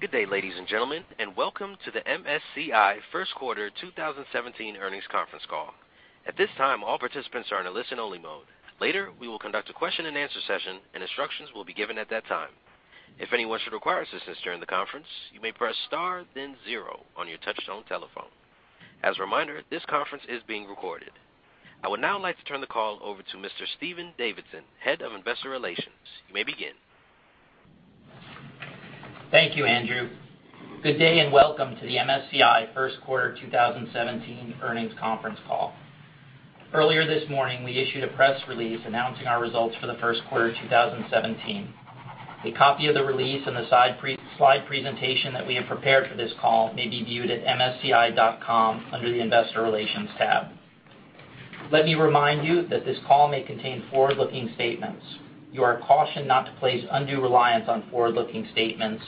Good day, ladies and gentlemen. Welcome to the MSCI first quarter 2017 earnings conference call. At this time, all participants are in a listen-only mode. Later, we will conduct a question and answer session, and instructions will be given at that time. If anyone should require assistance during the conference, you may press star then zero on your touchtone telephone. As a reminder, this conference is being recorded. I would now like to turn the call over to Mr. Stephen Davidson, Head of Investor Relations. You may begin. Thank you, Andrew. Good day. Welcome to the MSCI first quarter 2017 earnings conference call. Earlier this morning, we issued a press release announcing our results for the first quarter 2017. A copy of the release and the slide presentation that we have prepared for this call may be viewed at msci.com under the Investor Relations tab. Let me remind you that this call may contain forward-looking statements. You are cautioned not to place undue reliance on forward-looking statements,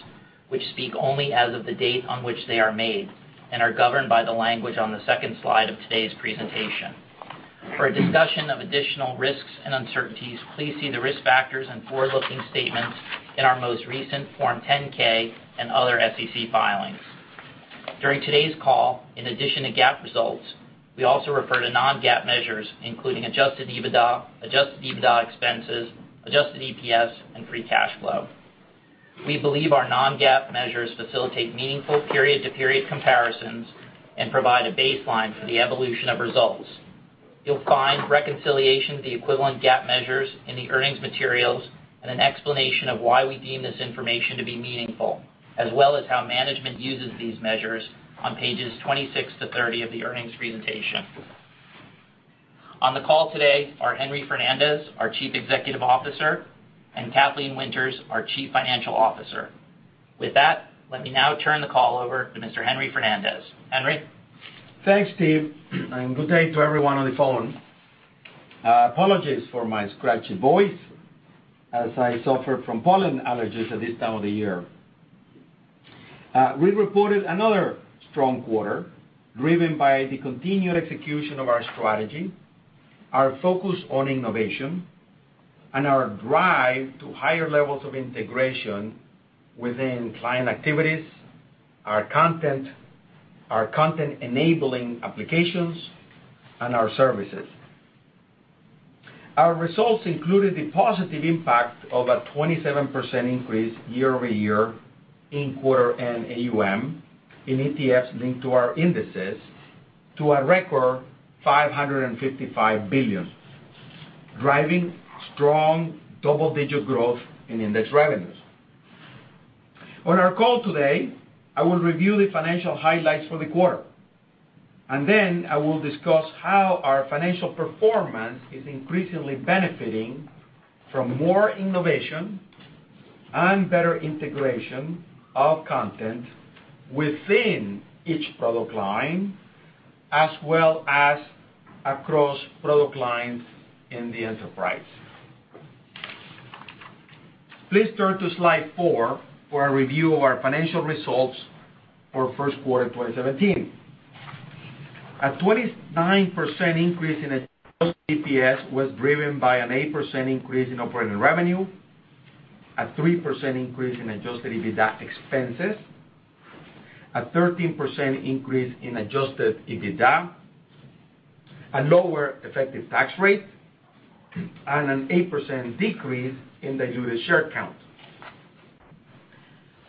which speak only as of the date on which they are made and are governed by the language on the second slide of today's presentation. For a discussion of additional risks and uncertainties, please see the risk factors and forward-looking statements in our most recent Form 10-K and other SEC filings. During today's call, in addition to GAAP results, we also refer to non-GAAP measures, including Adjusted EBITDA, Adjusted EBITDA expenses, Adjusted EPS, and free cash flow. We believe our non-GAAP measures facilitate meaningful period-to-period comparisons and provide a baseline for the evolution of results. You will find reconciliation to the equivalent GAAP measures in the earnings materials and an explanation of why we deem this information to be meaningful, as well as how management uses these measures on pages 26 to 30 of the earnings presentation. On the call today are Henry Fernandez, our Chief Executive Officer, and Kathleen Winters, our Chief Financial Officer. With that, let me now turn the call over to Mr. Henry Fernandez. Henry? Thanks, Steve. Good day to everyone on the phone. Apologies for my scratchy voice, as I suffer from pollen allergies at this time of the year. We reported another strong quarter driven by the continued execution of our strategy, our focus on innovation, our drive to higher levels of integration within client activities, our content, our content-enabling applications, and our services. Our results included the positive impact of a 27% increase year-over-year in quarter and AUM in ETFs linked to our indices to a record $555 billion, driving strong double-digit growth in index revenues. On our call today, I will review the financial highlights for the quarter. Then I will discuss how our financial performance is increasingly benefiting from more innovation and better integration of content within each product line, as well as across product lines in the enterprise. Please turn to Slide Four for a review of our financial results for first quarter 2017. A 29% increase in Adjusted EPS was driven by an 8% increase in operating revenue, a 3% increase in Adjusted EBITDA expenses, a 13% increase in Adjusted EBITDA, a lower effective tax rate, and an 8% decrease in the diluted share count.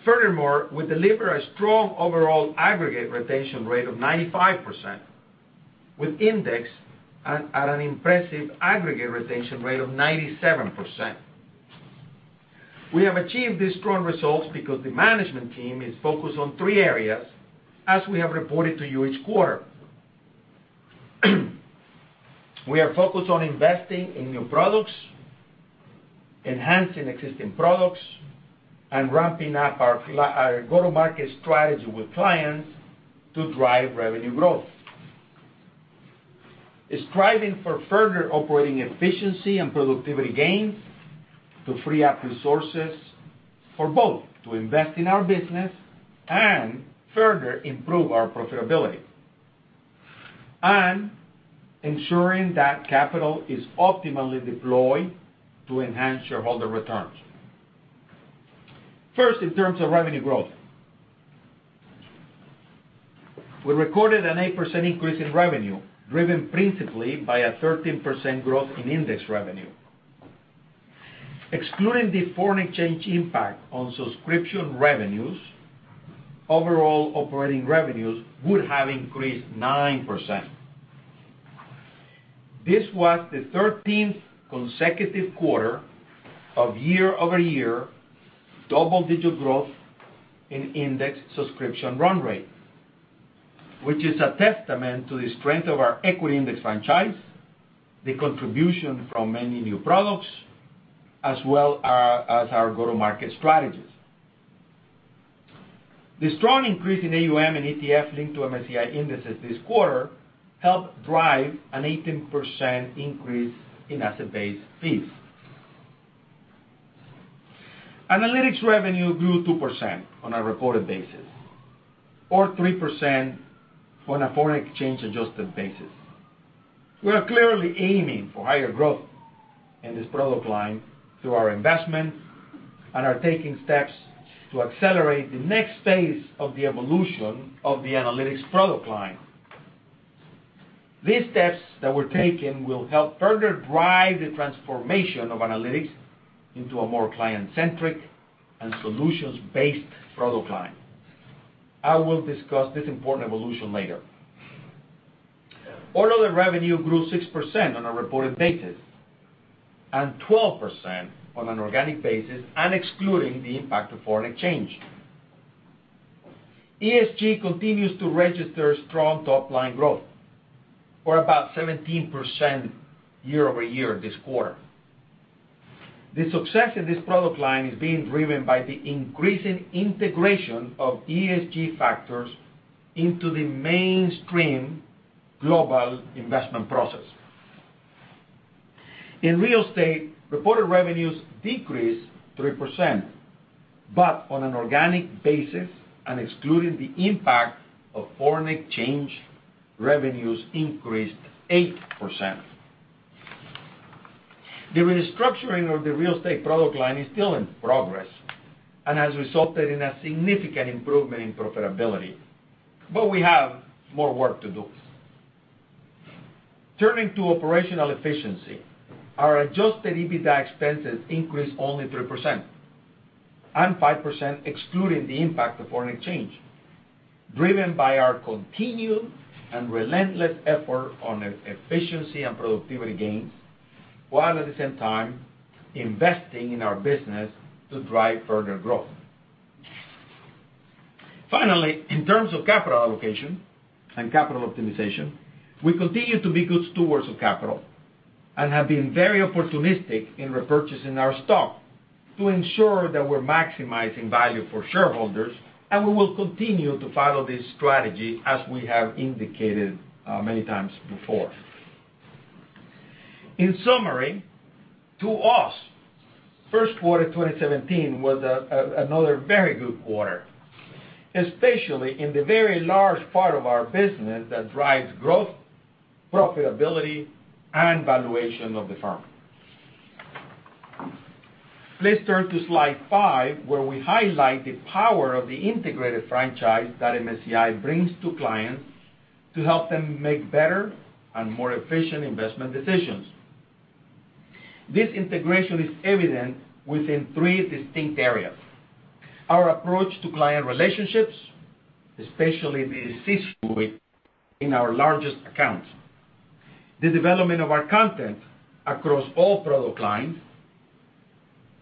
Furthermore, we delivered a strong overall aggregate retention rate of 95%, with index at an impressive aggregate retention rate of 97%. We have achieved these strong results because the management team is focused on three areas, as we have reported to you each quarter. We are focused on investing in new products, enhancing existing products, and ramping up our go-to-market strategy with clients to drive revenue growth. Striving for further operating efficiency and productivity gains to free up resources for both to invest in our business and further improve our profitability and ensuring that capital is optimally deployed to enhance shareholder returns. First, in terms of revenue growth. We recorded an 8% increase in revenue, driven principally by a 13% growth in index revenue. Excluding the foreign exchange impact on subscription revenues, overall operating revenues would have increased 9%. This was the 13th consecutive quarter of year-over-year double-digit growth in index subscription run rate, which is a testament to the strength of our equity index franchise, the contribution from many new products, as well as our go-to-market strategies. The strong increase in AUM and ETF linked to MSCI indices this quarter helped drive an 18% increase in asset-based fees. Analytics revenue grew 2% on a reported basis. 3% on a foreign exchange adjusted basis. We are clearly aiming for higher growth in this product line through our investment, and are taking steps to accelerate the next phase of the evolution of the analytics product line. These steps that we're taking will help further drive the transformation of analytics into a more client-centric and solutions-based product line. I will discuss this important evolution later. Other revenue grew 6% on a reported basis, and 12% on an organic basis, and excluding the impact of foreign exchange. ESG continues to register strong top-line growth, or about 17% year-over-year this quarter. The success of this product line is being driven by the increasing integration of ESG factors into the mainstream global investment process. In real estate, reported revenues decreased 3%, but on an organic basis, and excluding the impact of foreign exchange, revenues increased 8%. The restructuring of the real estate product line is still in progress, and has resulted in a significant improvement in profitability, but we have more work to do. Turning to operational efficiency, our Adjusted EBITDA expenses increased only 3%, and 5% excluding the impact of foreign exchange, driven by our continued and relentless effort on efficiency and productivity gains, while at the same time investing in our business to drive further growth. Finally, in terms of capital allocation and capital optimization, we continue to be good stewards of capital and have been very opportunistic in repurchasing our stock to ensure that we're maximizing value for shareholders, and we will continue to follow this strategy as we have indicated many times before. In summary, to us, first quarter 2017 was another very good quarter, especially in the very large part of our business that drives growth, profitability, and valuation of the firm. Please turn to slide five, where we highlight the power of the integrated franchise that MSCI brings to clients to help them make better and more efficient investment decisions. This integration is evident within three distinct areas: our approach to client relationships, especially the C-suite in our largest accounts, the development of our content across all product lines,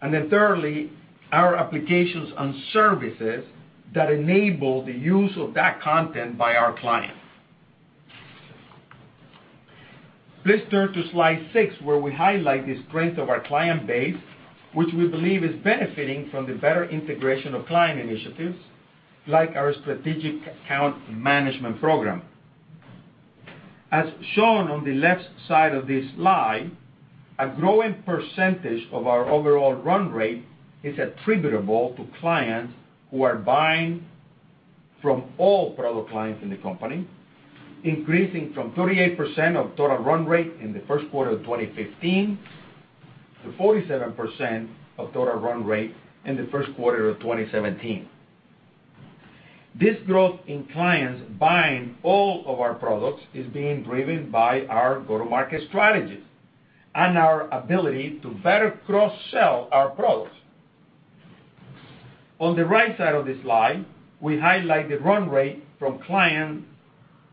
and then thirdly, our applications and services that enable the use of that content by our clients. Please turn to slide six where we highlight the strength of our client base, which we believe is benefiting from the better integration of client initiatives, like our strategic account management program. As shown on the left side of this slide, a growing percentage of our overall run rate is attributable to clients who are buying from all product lines in the company, increasing from 38% of total run rate in the first quarter of 2015 to 47% of total run rate in the first quarter of 2017. This growth in clients buying all of our products is being driven by our go-to-market strategies and our ability to better cross-sell our products. On the right side of this slide, we highlight the run rate from clients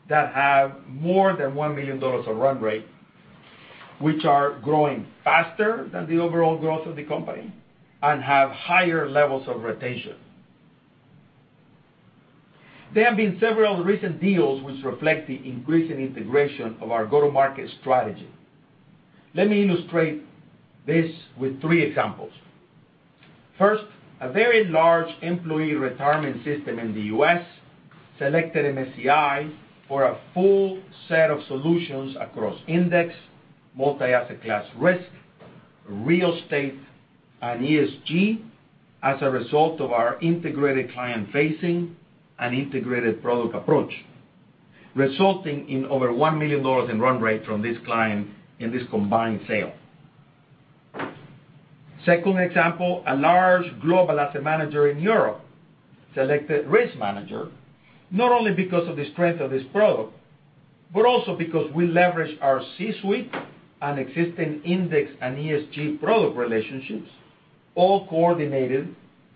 that have more than $1 million of run rate, which are growing faster than the overall growth of the company and have higher levels of retention. There have been several recent deals which reflect the increasing integration of our go-to-market strategy. Let me illustrate this with three examples. First, a very large employee retirement system in the U.S. selected MSCI for a full set of solutions across index, multi-asset class risk, real estate, and ESG as a result of our integrated client facing and integrated product approach, resulting in over $1 million in run rate from this client in this combined sale. Second example, a large global asset manager in Europe selected RiskManager, not only because of the strength of this product, but also because we leverage our C-suite and existing index and ESG product relationships, all coordinated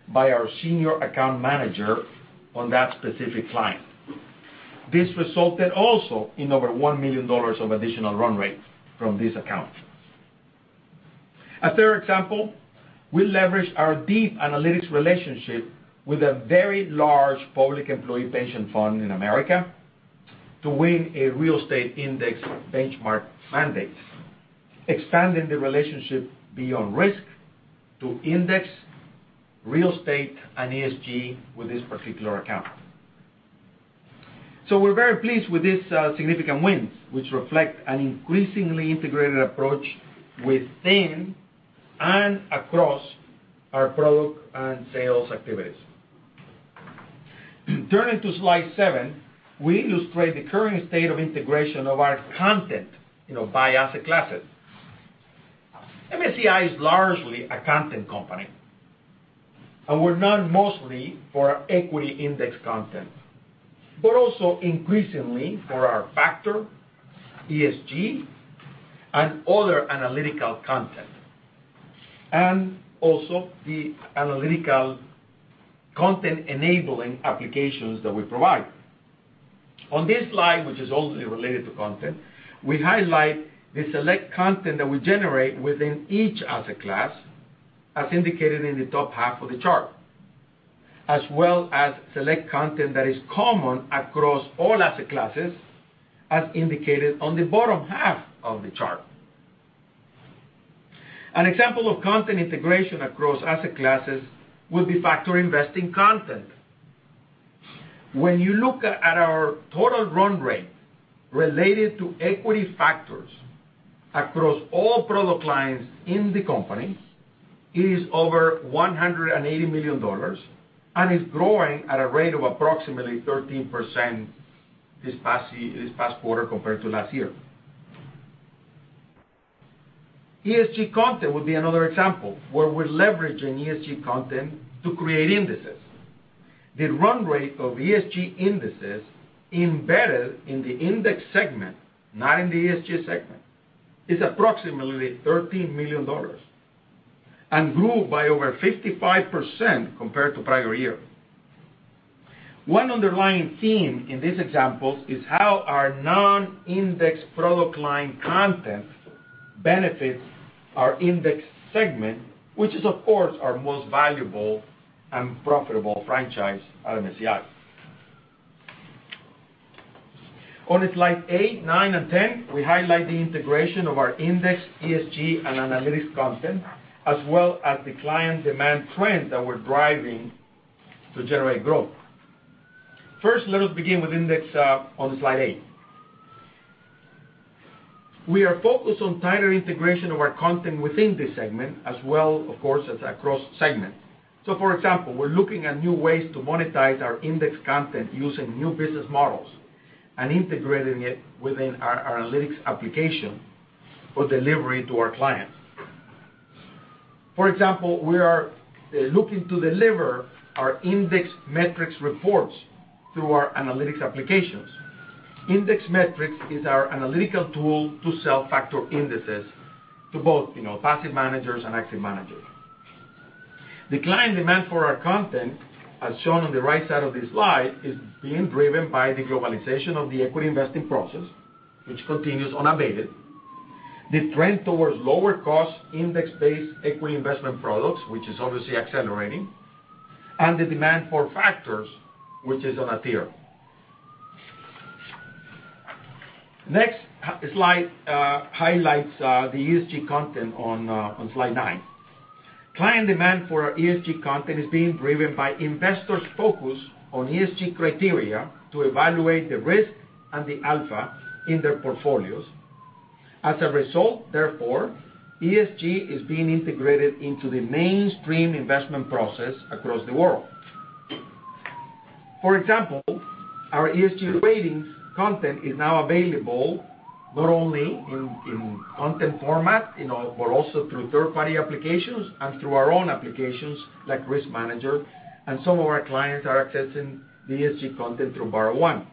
by our senior account manager on that specific client. This resulted also in over $1 million of additional run rate from this account. A third example, we leveraged our deep analytics relationship with a very large public employee pension fund in America to win a real estate index benchmark mandate, expanding the relationship beyond risk to index, real estate, and ESG with this particular account. We're very pleased with these significant wins, which reflect an increasingly integrated approach within and across our product and sales activities. Turning to slide seven, we illustrate the current state of integration of our content by asset classes. MSCI is largely a content company, and we're known mostly for our equity index content, but also increasingly for our factor, ESG, and other analytical content, and also the analytical content-enabling applications that we provide. On this slide, which is only related to content, we highlight the select content that we generate within each asset class, as indicated in the top half of the chart, as well as select content that is common across all asset classes, as indicated on the bottom half of the chart. An example of content integration across asset classes would be factor investing content. When you look at our total run rate related to equity factors across all product lines in the company, it is over $180 million and is growing at a rate of approximately 13% this past quarter compared to last year. ESG content would be another example where we're leveraging ESG content to create indices. The run rate of ESG indices embedded in the Index segment, not in the ESG segment, is approximately $13 million, and grew by over 55% compared to prior year. One underlying theme in these examples is how our non-index product line content benefits our Index segment, which is, of course, our most valuable and profitable franchise at MSCI. On slide 8, 9, and 10, we highlight the integration of our index, ESG, and analytics content, as well as the client demand trends that we're driving to generate growth. Let us begin with index on slide 8. We are focused on tighter integration of our content within this segment as well, of course, as across segments. For example, we're looking at new ways to monetize our index content using new business models and integrating it within our analytics application for delivery to our clients. For example, we are looking to deliver our Index Metrics reports through our analytics applications. Index Metrics is our analytical tool to sell factor indices to both passive managers and active managers. The client demand for our content, as shown on the right side of this slide, is being driven by the globalization of the equity investing process, which continues unabated. The trend towards lower-cost, index-based equity investment products, which is obviously accelerating, and the demand for factors, which is on a tear. Next slide highlights the ESG content on slide 9. Client demand for our ESG content is being driven by investors' focus on ESG criteria to evaluate the risk and the alpha in their portfolios. As a result, therefore, ESG is being integrated into the mainstream investment process across the world. For example, our ESG ratings content is now available not only in content format, but also through third-party applications and through our own applications like RiskManager, and some of our clients are accessing the ESG content through BarraOne.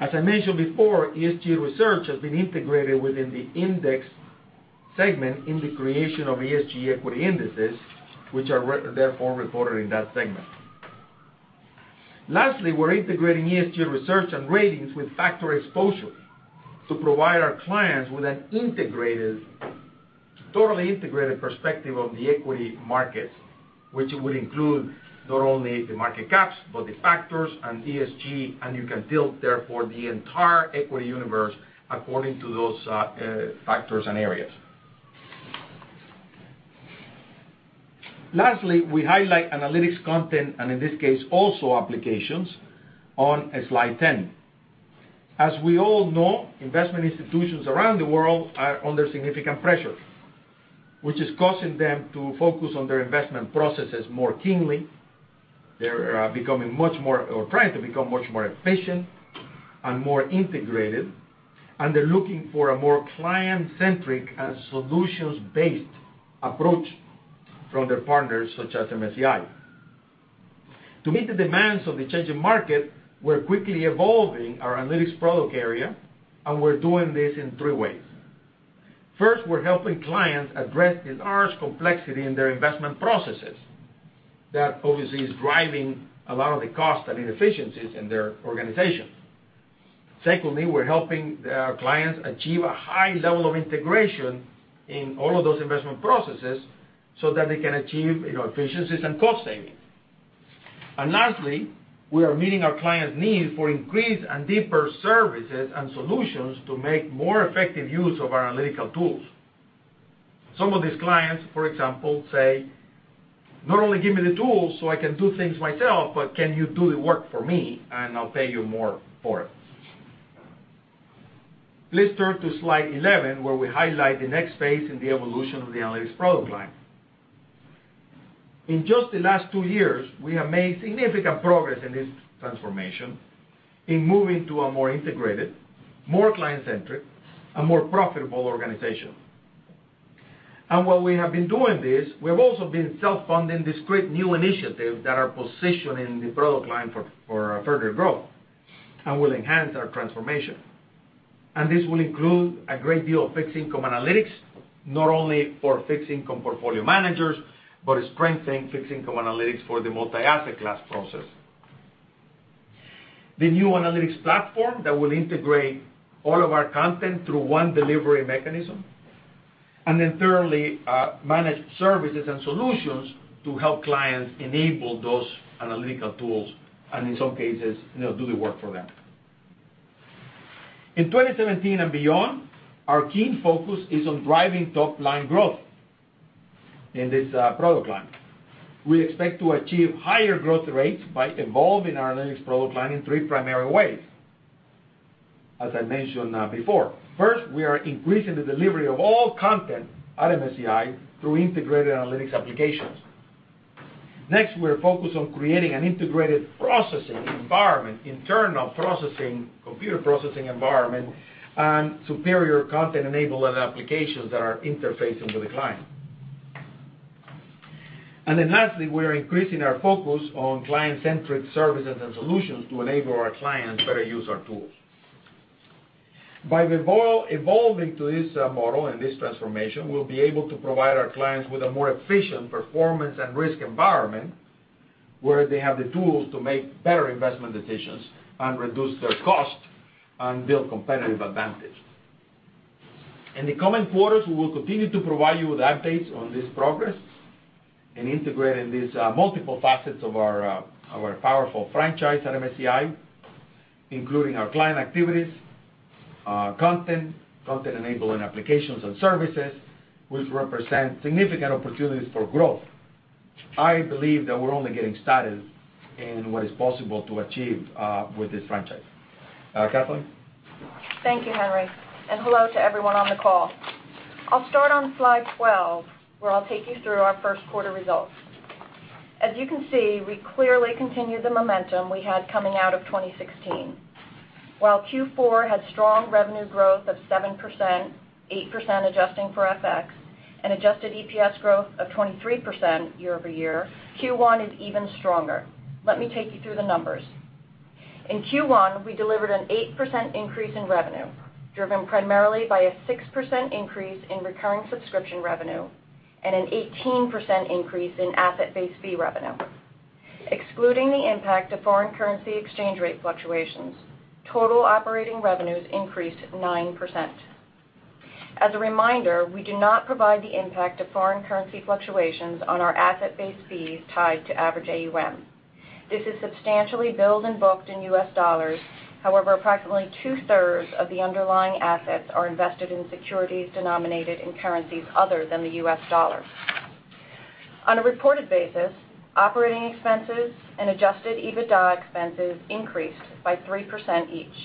As I mentioned before, ESG research has been integrated within the Index segment in the creation of ESG equity indices, which are therefore reported in that segment. We're integrating ESG research and ratings with factor exposure to provide our clients with a totally integrated perspective of the equity markets, which will include not only the market caps, but the factors and ESG, and you can tilt, therefore, the entire equity universe according to those factors and areas. We highlight analytics content, and in this case, also applications on slide 10. As we all know, investment institutions around the world are under significant pressure, which is causing them to focus on their investment processes more keenly. They're trying to become much more efficient and more integrated, and they're looking for a more client-centric and solutions-based approach from their partners, such as MSCI. To meet the demands of the changing market, we're quickly evolving our analytics product area. We're doing this in three ways. First, we're helping clients address the large complexity in their investment processes that obviously is driving a lot of the cost and inefficiencies in their organization. Secondly, we're helping our clients achieve a high level of integration in all of those investment processes so that they can achieve efficiencies and cost savings. Lastly, we are meeting our clients' need for increased and deeper services and solutions to make more effective use of our analytical tools. Some of these clients, for example, say, "Not only give me the tools so I can do things myself, but can you do the work for me, and I'll pay you more for it?" Let's turn to slide 11, where we highlight the next phase in the evolution of the analytics product line. In just the last two years, we have made significant progress in this transformation in moving to a more integrated, more client-centric, and more profitable organization. While we have been doing this, we have also been self-funding these great new initiatives that are positioning the product line for further growth and will enhance our transformation. This will include a great deal of fixed income analytics, not only for fixed income portfolio managers but strengthening fixed income analytics for the multi-asset class process. The new analytics platform that will integrate all of our content through one delivery mechanism, thirdly, managed services and solutions to help clients enable those analytical tools and in some cases, do the work for them. In 2017 and beyond, our keen focus is on driving top-line growth in this product line. We expect to achieve higher growth rates by evolving our analytics product line in three primary ways. As I mentioned before, first, we are increasing the delivery of all content at MSCI through integrated analytics applications. Next, we are focused on creating an integrated processing environment, internal processing, computer processing environment, and superior content enablement applications that are interfacing with the client. Lastly, we're increasing our focus on client-centric services and solutions to enable our clients to better use our tools. By evolving to this model and this transformation, we'll be able to provide our clients with a more efficient performance and risk environment, where they have the tools to make better investment decisions and reduce their cost and build competitive advantage. In the coming quarters, we will continue to provide you with updates on this progress and integrating these multiple facets of our powerful franchise at MSCI, including our client activities, content enablement applications and services, which represent significant opportunities for growth. I believe that we're only getting started in what is possible to achieve with this franchise. Kathleen? Thank you, Henry, and hello to everyone on the call. I'll start on slide 12, where I'll take you through our first quarter results. As you can see, we clearly continued the momentum we had coming out of 2016. While Q4 had strong revenue growth of 7%, 8% adjusting for FX, and Adjusted EPS growth of 23% year-over-year, Q1 is even stronger. Let me take you through the numbers. In Q1, we delivered an 8% increase in revenue, driven primarily by a 6% increase in recurring subscription revenue and an 18% increase in asset-based fee revenue. Excluding the impact of foreign currency exchange rate fluctuations, total operating revenues increased 9%. As a reminder, we do not provide the impact of foreign currency fluctuations on the asset-based fees tied to average AUM. This is substantially billed and booked in US dollars. Approximately two-thirds of the underlying assets are invested in securities denominated in currencies other than the US dollar. On a reported basis, operating expenses and Adjusted EBITDA expenses increased by 3% each.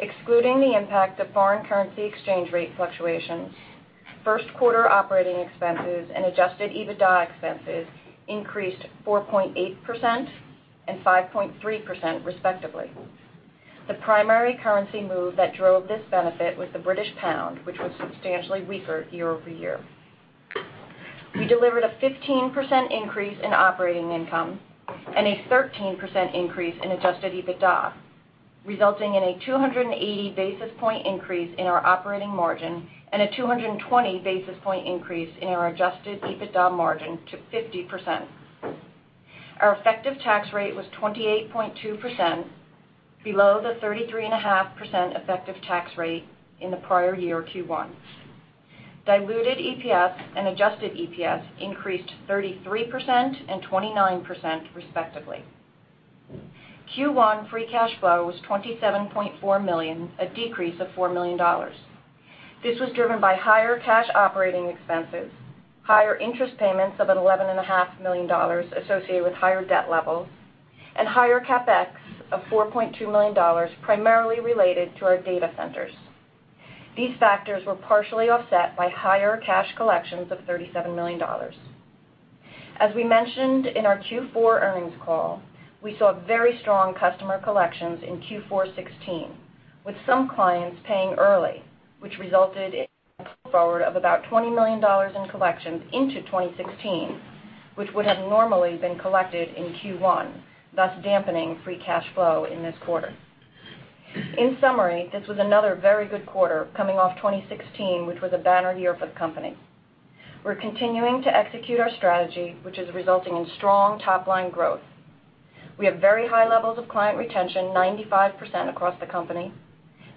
Excluding the impact of foreign currency exchange rate fluctuations, first quarter operating expenses and Adjusted EBITDA expenses increased 4.8% and 5.3% respectively. The primary currency move that drove this benefit was the British pound, which was substantially weaker year-over-year. We delivered a 15% increase in operating income and a 13% increase in Adjusted EBITDA, resulting in a 280-basis point increase in our operating margin and a 220-basis point increase in our Adjusted EBITDA margin to 50%. Our effective tax rate was 28.2%, below the 33.5% effective tax rate in the prior year Q1. Diluted EPS and Adjusted EPS increased 33% and 29%, respectively. Q1 free cash flow was $27.4 million, a decrease of $4 million. This was driven by higher cash operating expenses, higher interest payments of $11.5 million associated with higher debt levels, and higher CapEx of $4.2 million, primarily related to our data centers. These factors were partially offset by higher cash collections of $37 million. As we mentioned in our Q4 earnings call, we saw very strong customer collections in Q4 2016, with some clients paying early, which resulted in a pull forward of about $20 million in collections into 2016, which would have normally been collected in Q1, thus dampening free cash flow in this quarter. In summary, this was another very good quarter coming off 2016, which was a banner year for the company. We're continuing to execute our strategy, which is resulting in strong top-line growth. We have very high levels of client retention, 95% across the company,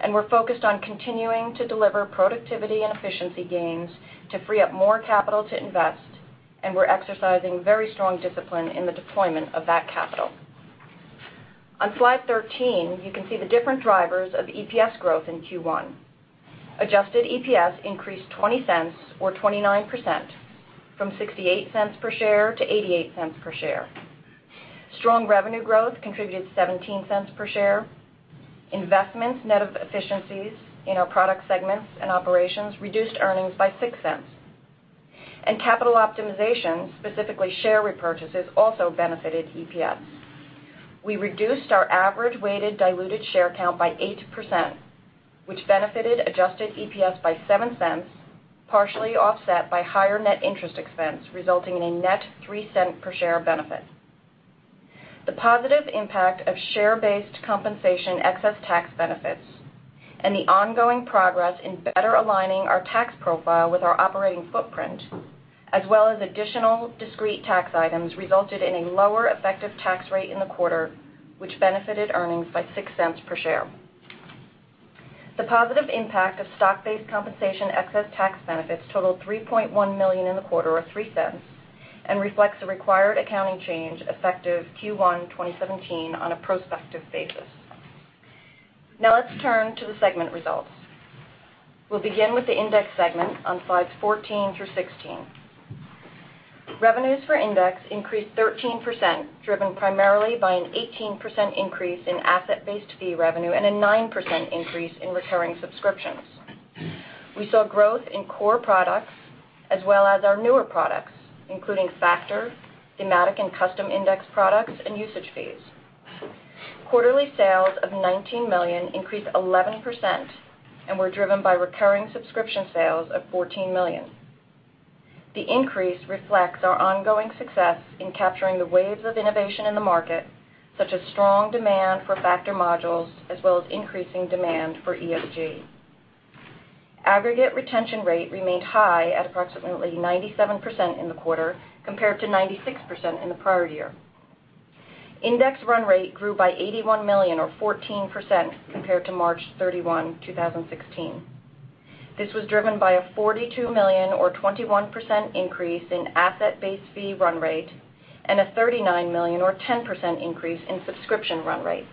and we're focused on continuing to deliver productivity and efficiency gains to free up more capital to invest, and we're exercising very strong discipline in the deployment of that capital. On slide 13, you can see the different drivers of EPS growth in Q1. Adjusted EPS increased $0.20 or 29%, from $0.68 per share to $0.88 per share. Strong revenue growth contributed $0.17 per share. Investments, net of efficiencies in our product segments and operations, reduced earnings by $0.06. Capital optimization, specifically share repurchases, also benefited EPS. We reduced our average weighted diluted share count by 8%, which benefited Adjusted EPS by $0.07, partially offset by higher net interest expense, resulting in a net $0.03 per share benefit. The positive impact of share-based compensation excess tax benefits and the ongoing progress in better aligning our tax profile with our operating footprint, as well as additional discrete tax items, resulted in a lower effective tax rate in the quarter, which benefited earnings by $0.06 per share. The positive impact of stock-based compensation excess tax benefits totaled $3.1 million in the quarter, or $0.03, and reflects a required accounting change effective Q1 2017 on a prospective basis. Let's turn to the segment results. We'll begin with the Index segment on slides 14 through 16. Revenues for Index increased 13%, driven primarily by an 18% increase in asset-based fee revenue and a 9% increase in recurring subscriptions. We saw growth in core products as well as our newer products, including Factor, Thematic and Custom Index products, and usage fees. Quarterly sales of $19 million increased 11% and were driven by recurring subscription sales of $14 million. The increase reflects our ongoing success in capturing the waves of innovation in the market, such as strong demand for Factor modules as well as increasing demand for ESG. Aggregate retention rate remained high at approximately 97% in the quarter, compared to 96% in the prior year. Index run rate grew by $81 million or 14% compared to March 31, 2016. This was driven by a $42 million or 21% increase in asset-based fee run rate and a $39 million or 10% increase in subscription run rate.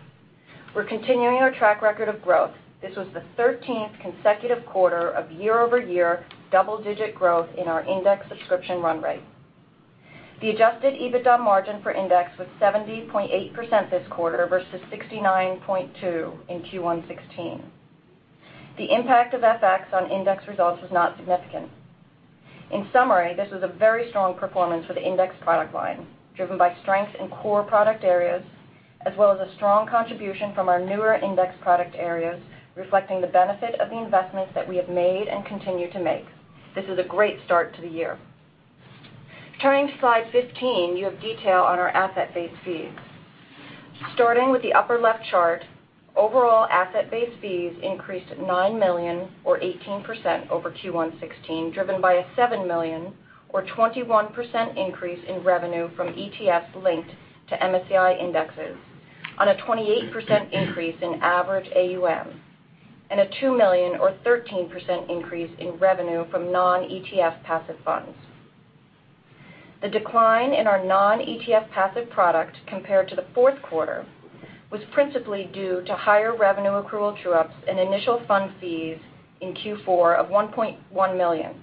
We're continuing our track record of growth. This was the 13th consecutive quarter of year-over-year double-digit growth in our Index subscription run rate. The Adjusted EBITDA margin for Index was 70.8% this quarter versus 69.2% in Q1 2016. The impact of FX on Index results was not significant. In summary, this was a very strong performance for the Index product line, driven by strength in core product areas, as well as a strong contribution from our newer Index product areas, reflecting the benefit of the investments that we have made and continue to make. This is a great start to the year. Turning to slide 15, you have detail on our asset-based fees. Starting with the upper-left chart, overall asset-based fees increased $9 million or 18% over Q1 2016, driven by a $7 million or 21% increase in revenue from ETFs linked to MSCI indexes on a 28% increase in average AUM and a $2 million or 13% increase in revenue from non-ETF passive funds. The decline in our non-ETF passive product compared to the fourth quarter was principally due to higher revenue accrual true-ups and initial fund fees in Q4 of $1.1 million,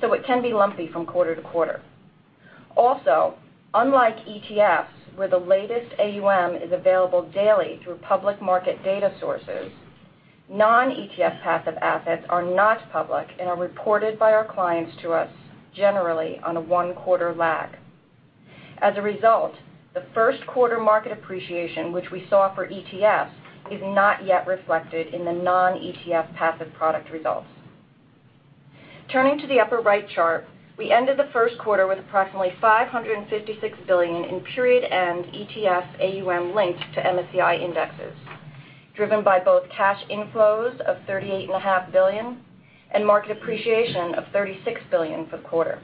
so it can be lumpy from quarter to quarter. Also, unlike ETFs, where the latest AUM is available daily through public market data sources, non-ETF passive assets are not public and are reported by our clients to us generally on a one-quarter lag. As a result, the first quarter market appreciation, which we saw for ETFs, is not yet reflected in the non-ETF passive product results. Turning to the upper-right chart, we ended the first quarter with approximately $556 billion in period end ETF AUM linked to MSCI indexes, driven by both cash inflows of $38.5 billion and market appreciation of $36 billion for the quarter.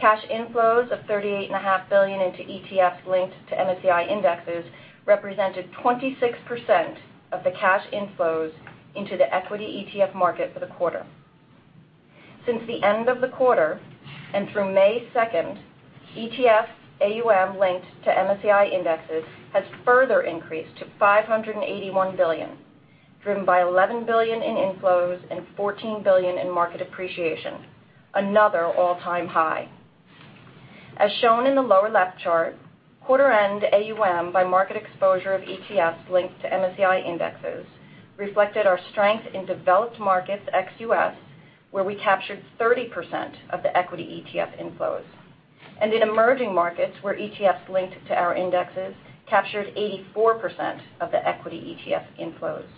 Cash inflows of $38.5 billion into ETFs linked to MSCI indexes represented 26% of the cash inflows into the equity ETF market for the quarter. Since the end of the quarter and through May 2nd, ETF AUM linked to MSCI indexes has further increased to $581 billion, driven by $11 billion in inflows and $14 billion in market appreciation, another all-time high. As shown in the lower-left chart, quarter end AUM by market exposure of ETFs linked to MSCI indexes reflected our strength in developed markets, ex-US, where we captured 30% of the equity ETF inflows, and in emerging markets, where ETFs linked to our indexes captured 84% of the equity ETF inflows,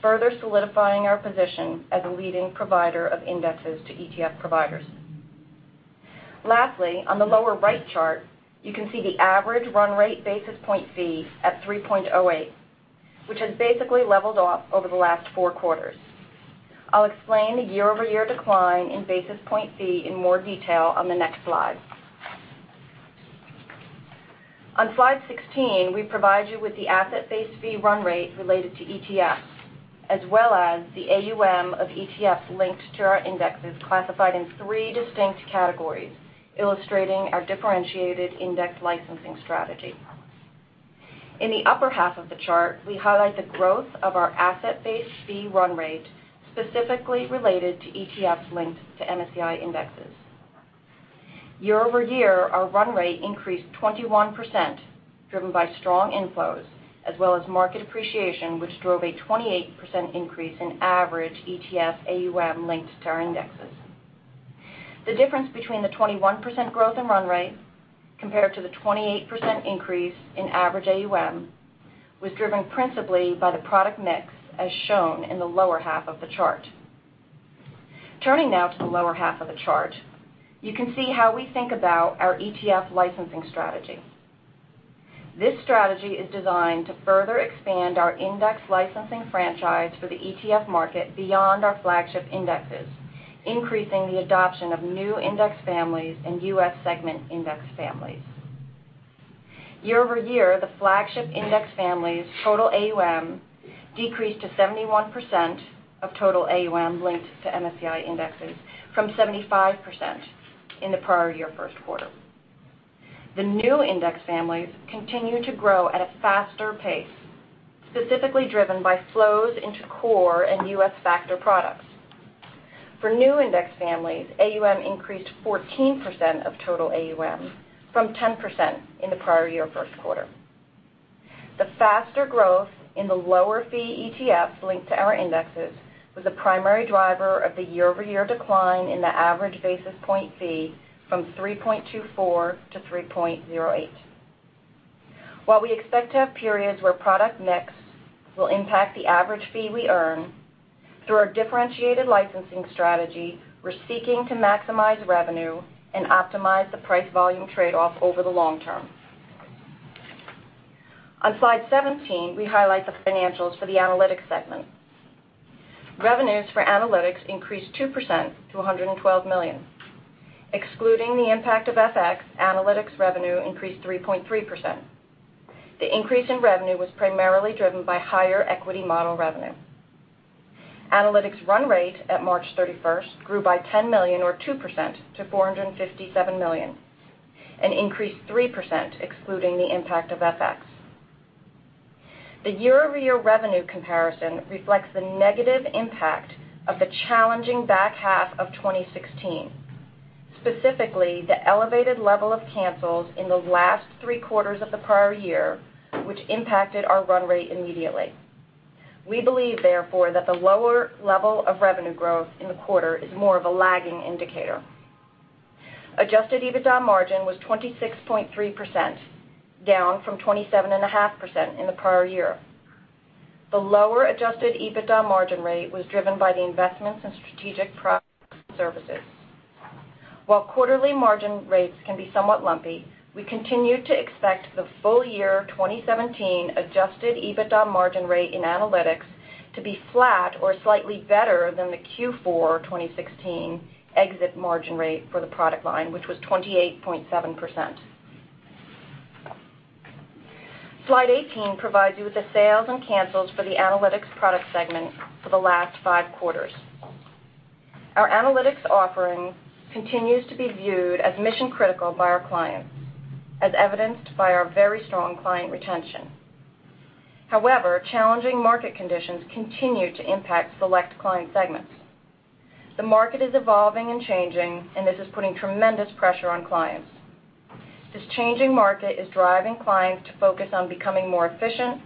further solidifying our position as a leading provider of indexes to ETF providers. On the lower-right chart, you can see the average run rate basis point fee at 3.08, which has basically leveled off over the last four quarters. I'll explain the year-over-year decline in basis point fee in more detail on the next slide. On slide 16, we provide you with the asset-based fee run rate related to ETFs. As well as the AUM of ETFs linked to our indexes classified in three distinct categories, illustrating our differentiated index licensing strategy. In the upper half of the chart, we highlight the growth of our asset-based fee run rate, specifically related to ETFs linked to MSCI indexes. Year-over-year, our run rate increased 21%, driven by strong inflows, as well as market appreciation, which drove a 28% increase in average ETF AUM linked to our indexes. The difference between the 21% growth in run rate compared to the 28% increase in average AUM was driven principally by the product mix, as shown in the lower half of the chart. Turning now to the lower half of the chart, you can see how we think about our ETF licensing strategy. This strategy is designed to further expand our index licensing franchise for the ETF market beyond our flagship indexes, increasing the adoption of new index families and U.S. segment index families. Year-over-year, the flagship index families' total AUM decreased to 71% of total AUM linked to MSCI indexes from 75% in the prior year first quarter. The new index families continue to grow at a faster pace, specifically driven by flows into core and U.S. factor products. For new index families, AUM increased 14% of total AUM from 10% in the prior year first quarter. The faster growth in the lower fee ETFs linked to our indexes was the primary driver of the year-over-year decline in the average basis point fee from 3.24 to 3.08. While we expect to have periods where product mix will impact the average fee we earn, through our differentiated licensing strategy, we're seeking to maximize revenue and optimize the price-volume trade-off over the long term. On slide 17, we highlight the financials for the analytics segment. Revenues for analytics increased 2% to $112 million. Excluding the impact of FX, analytics revenue increased 3.3%. The increase in revenue was primarily driven by higher equity model revenue. Analytics run rate at March 31st grew by $10 million or 2% to $457 million, and increased 3% excluding the impact of FX. The year-over-year revenue comparison reflects the negative impact of the challenging back half of 2016. Specifically, the elevated level of cancels in the last three quarters of the prior year, which impacted our run rate immediately. We believe, therefore, that the lower level of revenue growth in the quarter is more of a lagging indicator. Adjusted EBITDA margin was 26.3%, down from 27.5% in the prior year. The lower Adjusted EBITDA margin rate was driven by the investments in strategic products and services. While quarterly margin rates can be somewhat lumpy, we continue to expect the full year 2017 Adjusted EBITDA margin rate in analytics to be flat or slightly better than the Q4 2016 exit margin rate for the product line, which was 28.7%. Slide 18 provides you with the sales and cancels for the analytics product segment for the last five quarters. Our analytics offering continues to be viewed as mission-critical by our clients, as evidenced by our very strong client retention. However, challenging market conditions continue to impact select client segments. The market is evolving and changing, and this is putting tremendous pressure on clients. This changing market is driving clients to focus on becoming more efficient,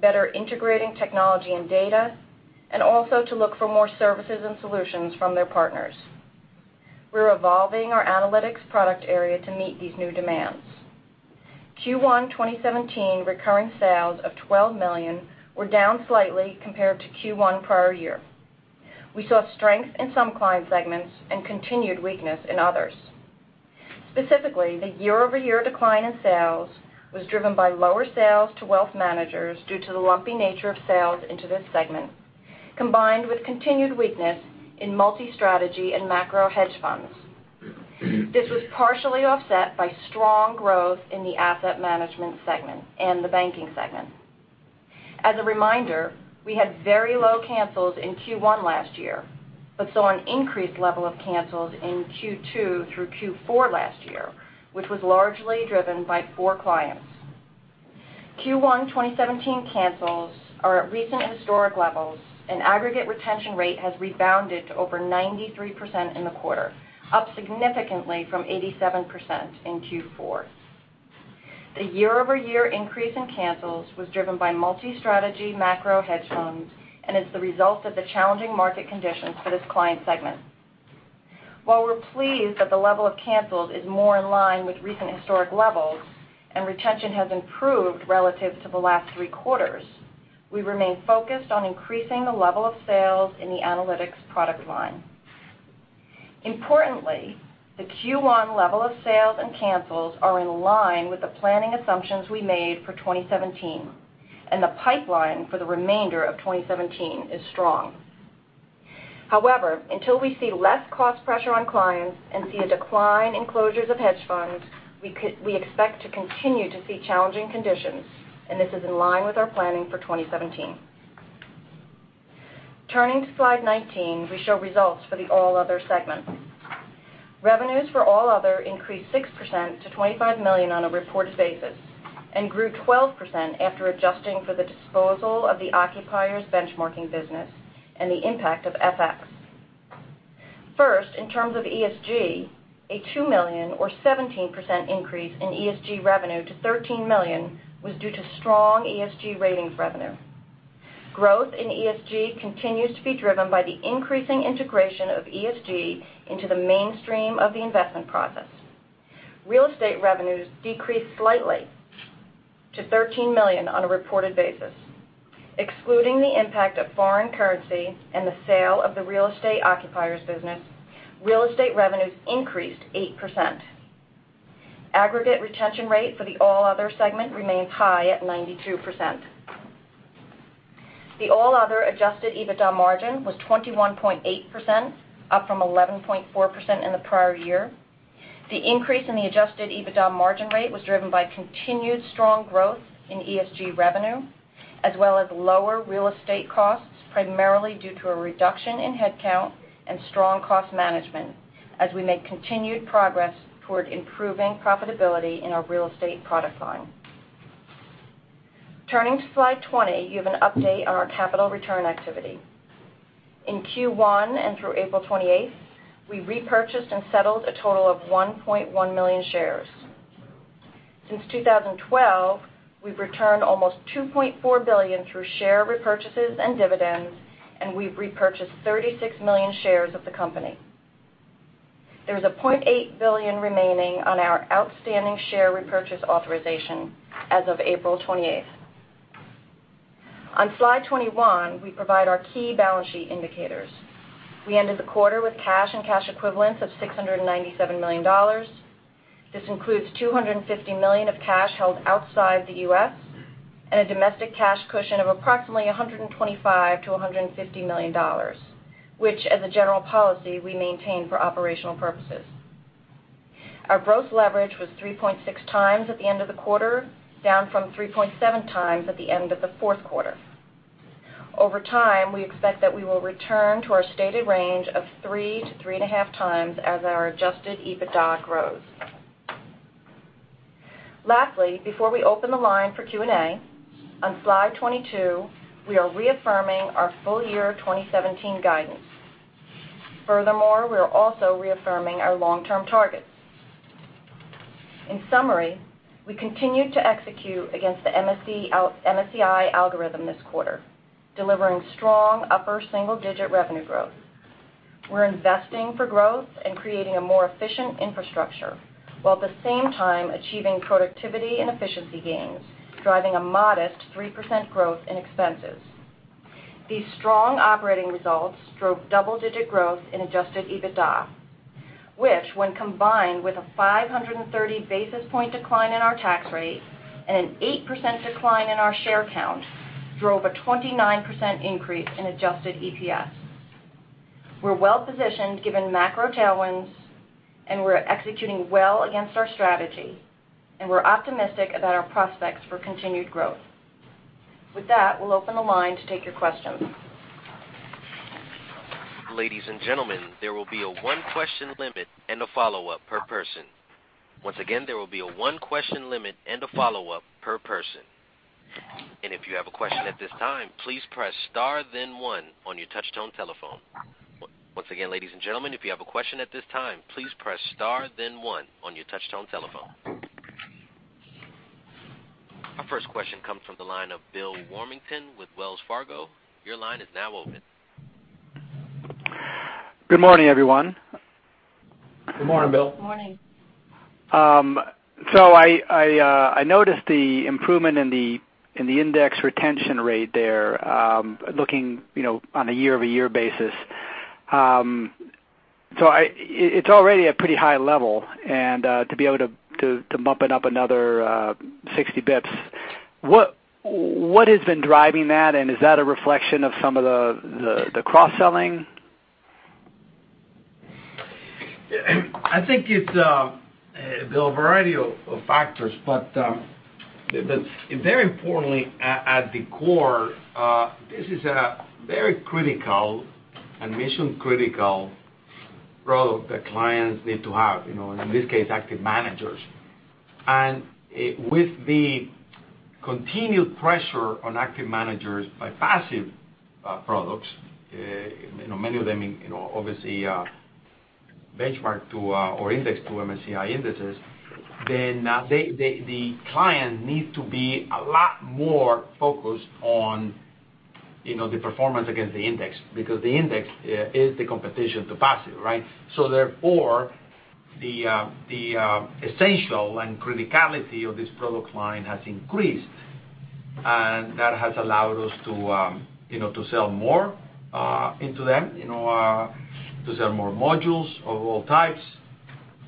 better integrating technology and data, and also to look for more services and solutions from their partners. We're evolving our analytics product area to meet these new demands. Q1 2017 recurring sales of $12 million were down slightly compared to Q1 prior year. We saw strength in some client segments and continued weakness in others. Specifically, the year-over-year decline in sales was driven by lower sales to wealth managers due to the lumpy nature of sales into this segment, combined with continued weakness in multi-strategy and macro hedge funds. This was partially offset by strong growth in the asset management segment and the banking segment. As a reminder, we had very low cancels in Q1 last year, but saw an increased level of cancels in Q2 through Q4 last year, which was largely driven by four clients. Q1 2017 cancels are at recent historic levels, and aggregate retention rate has rebounded to over 93% in the quarter, up significantly from 87% in Q4. The year-over-year increase in cancels was driven by multi-strategy macro hedge funds and is the result of the challenging market conditions for this client segment. While we're pleased that the level of cancels is more in line with recent historic levels and retention has improved relative to the last three quarters, we remain focused on increasing the level of sales in the analytics product line. Importantly, the Q1 level of sales and cancels are in line with the planning assumptions we made for 2017. The pipeline for the remainder of 2017 is strong. However, until we see less cost pressure on clients and see a decline in closures of hedge funds, we expect to continue to see challenging conditions. This is in line with our planning for 2017. Turning to slide 19, we show results for the all other segment. Revenues for all other increased 6% to $25 million on a reported basis, and grew 12% after adjusting for the disposal of the occupier benchmarking business and the impact of FX. First, in terms of ESG, a $2 million or 17% increase in ESG revenue to $13 million was due to strong ESG ratings revenue. Growth in ESG continues to be driven by the increasing integration of ESG into the mainstream of the investment process. Real estate revenues decreased slightly to $13 million on a reported basis. Excluding the impact of foreign currency and the sale of the real estate occupier business, real estate revenues increased 8%. Aggregate retention rate for the all other segment remains high at 92%. The all other Adjusted EBITDA margin was 21.8%, up from 11.4% in the prior year. The increase in the Adjusted EBITDA margin rate was driven by continued strong growth in ESG revenue, as well as lower real estate costs, primarily due to a reduction in headcount and strong cost management as we make continued progress toward improving profitability in our real estate product line. Turning to slide 20, you have an update on our capital return activity. In Q1 and through April 28th, we repurchased and settled a total of 1.1 million shares. Since 2012, we've returned almost $2.4 billion through share repurchases and dividends, and we've repurchased 36 million shares of the company. There is a $0.8 billion remaining on our outstanding share repurchase authorization as of April 28th. On Slide 21, we provide our key balance sheet indicators. We ended the quarter with cash and cash equivalents of $697 million. This includes $250 million of cash held outside the U.S. and a domestic cash cushion of approximately $125 million-$150 million, which, as a general policy, we maintain for operational purposes. Our gross leverage was 3.6 times at the end of the quarter, down from 3.7 times at the end of the fourth quarter. Over time, we expect that we will return to our stated range of 3 to 3.5 times as our Adjusted EBITDA grows. Lastly, before we open the line for Q&A, on Slide 22, we are reaffirming our full year 2017 guidance. Furthermore, we are also reaffirming our long-term targets. In summary, we continued to execute against the MSCI algorithm this quarter, delivering strong upper single-digit revenue growth. We're investing for growth and creating a more efficient infrastructure, while at the same time achieving productivity and efficiency gains, driving a modest 3% growth in expenses. These strong operating results drove double-digit growth in Adjusted EBITDA, which when combined with a 530 basis point decline in our tax rate and an 8% decline in our share count, drove a 29% increase in Adjusted EPS. We're well-positioned given macro tailwinds, we're executing well against our strategy, we're optimistic about our prospects for continued growth. With that, we'll open the line to take your questions. Ladies and gentlemen, there will be a one question limit and a follow-up per person. Once again, there will be a one question limit and a follow-up per person. If you have a question at this time, please press star then one on your touch-tone telephone. Once again, ladies and gentlemen, if you have a question at this time, please press star then one on your touch-tone telephone. Our first question comes from the line of Bill Warmington with Wells Fargo. Your line is now open. Good morning, everyone. Good morning, Bill. Morning. I noticed the improvement in the index retention rate there, looking on a year-over-year basis. It's already a pretty high level, and to be able to bump it up another 60 basis points. What has been driving that, and is that a reflection of some of the cross-selling? I think it's, Bill, a variety of factors, but very importantly, at the core, this is a very critical and mission-critical product that clients need to have, in this case, active managers. With the continued pressure on active managers by passive products, many of them obviously benchmark to or index to MSCI indexes, then the client needs to be a lot more focused on the performance against the index because the index is the competition to passive, right? Therefore, the essential and criticality of this product line has increased, and that has allowed us to sell more into them, to sell more modules of all types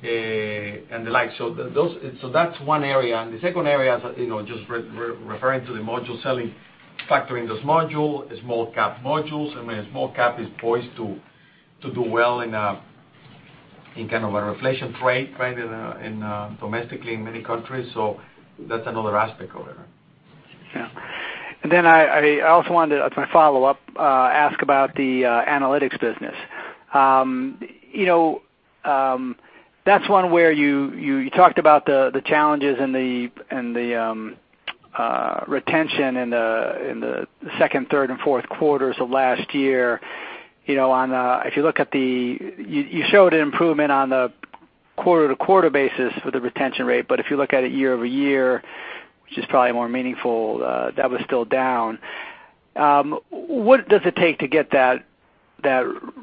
The like. That's one area. The second area is just referring to the module selling, factoring those module, small cap modules. I mean, small cap is poised to do well in a kind of a reflation trade domestically in many countries. That's another aspect of it. Then I also wanted to, as my follow-up, ask about the analytics business. That's one where you talked about the challenges and the retention in the second, third, and fourth quarters of last year. You showed an improvement on the quarter-to-quarter basis for the retention rate, but if you look at it year-over-year, which is probably more meaningful, that was still down. What does it take to get that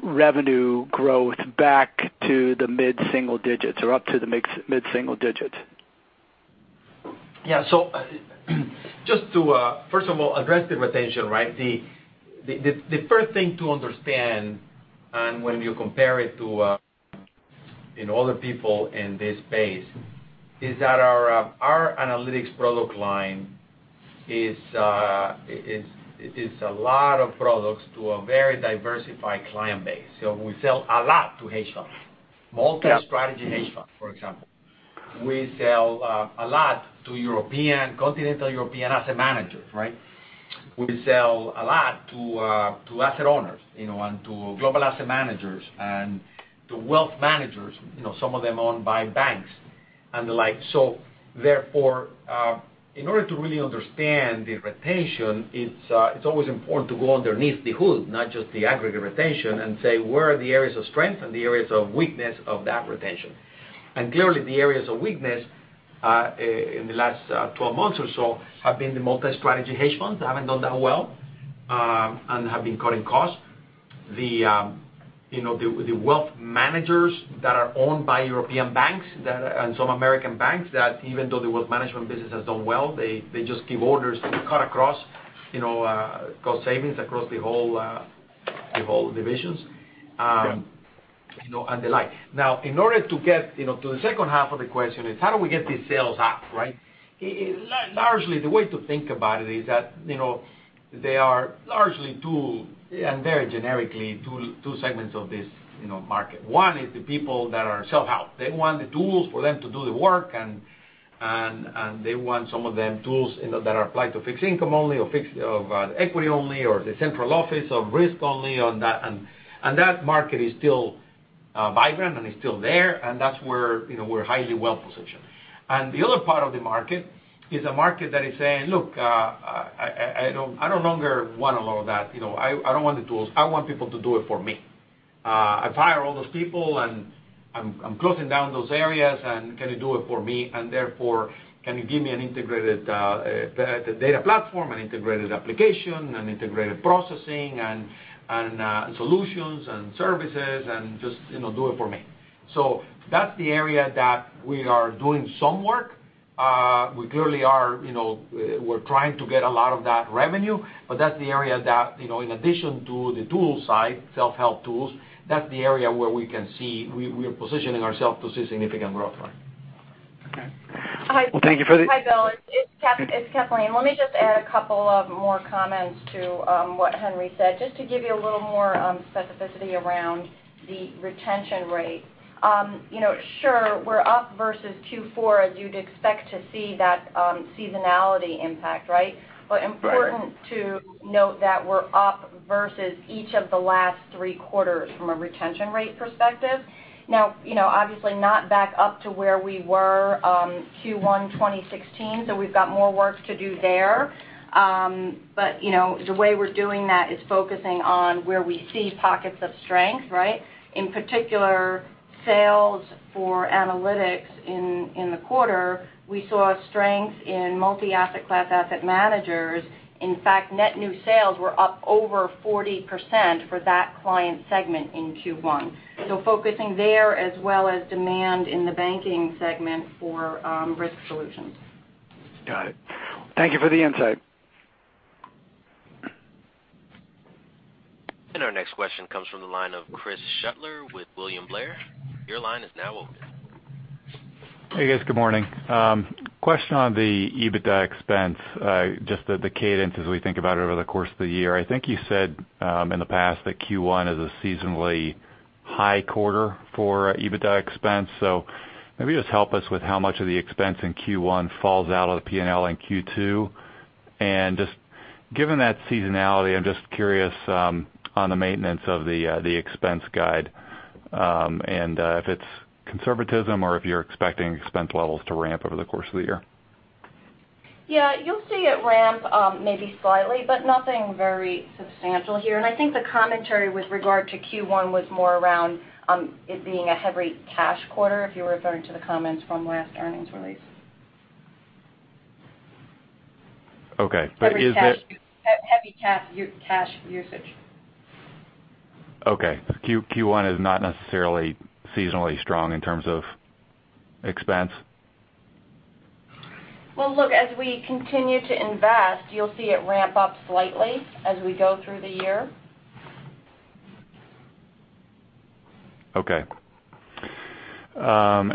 revenue growth back to the mid-single digits or up to the mid-single digits? Just to, first of all, address the retention, right? The first thing to understand, and when you compare it to other people in this space, is that our analytics product line is a lot of products to a very diversified client base. We sell a lot to hedge funds, multi-strategy hedge funds, for example. We sell a lot to continental European asset managers, right? We sell a lot to asset owners, and to global asset managers, and to wealth managers, some of them owned by banks and the like. Therefore, in order to really understand the retention, it's always important to go underneath the hood, not just the aggregate retention, and say, "Where are the areas of strength and the areas of weakness of that retention?" Clearly, the areas of weakness in the last 12 months or so have been the multi-strategy hedge funds. They haven't done that well and have been cutting costs. The wealth managers that are owned by European banks and some American banks, that even though the wealth management business has done well, they just give orders to cut across cost savings across the whole divisions. Yeah The like. In order to get to the second half of the question is how do we get these sales up, right? Largely, the way to think about it is that there are largely two, and very generically, two segments of this market. One is the people that are self-help. They want the tools for them to do the work, and they want some of them tools that are applied to fixed income only, or equity only, or the central office of risk only. That market is still vibrant, and it's still there. That's where we're highly well-positioned. The other part of the market is a market that is saying, "Look, I no longer want a lot of that. I don't want the tools. I want people to do it for me. I fire all those people, and I'm closing down those areas. Can you do it for me? Therefore, can you give me an integrated data platform, an integrated application, an integrated processing, and solutions and services, and just do it for me. That's the area that we are doing some work. We clearly are trying to get a lot of that revenue, but that's the area that in addition to the tool side, self-help tools, that's the area where we can see we are positioning ourselves to see significant growth. Okay. Well, thank you for the. Hi, Bill. It's Kathleen. Let me just add a couple of more comments to what Henry said, just to give you a little more specificity around the retention rate. Sure, we're up versus Q4, as you'd expect to see that seasonality impact, right? Right. Important to note that we're up versus each of the last three quarters from a retention rate perspective. Now, obviously not back up to where we were Q1 2016, we've got more work to do there. The way we're doing that is focusing on where we see pockets of strength. In particular, sales for analytics in the quarter, we saw strength in multi-asset class asset managers. In fact, net new sales were up over 40% for that client segment in Q1. Focusing there as well as demand in the banking segment for risk solutions. Got it. Thank you for the insight. Our next question comes from the line of Chris Shutler with William Blair. Your line is now open. Hey, guys. Good morning. Question on the EBITDA expense. Just the cadence as we think about it over the course of the year. I think you said in the past that Q1 is a seasonally high quarter for EBITDA expense. Maybe just help us with how much of the expense in Q1 falls out of the P&L in Q2. Just given that seasonality, I'm just curious on the maintenance of the expense guide, and if it's conservatism or if you're expecting expense levels to ramp over the course of the year. Yeah, you'll see it ramp maybe slightly, but nothing very substantial here. I think the commentary with regard to Q1 was more around it being a heavy cash quarter, if you're referring to the comments from last earnings release. Okay. Is it- Heavy cash usage. Okay. Q1 is not necessarily seasonally strong in terms of expense? Well, look, as we continue to invest, you'll see it ramp up slightly as we go through the year. Okay. I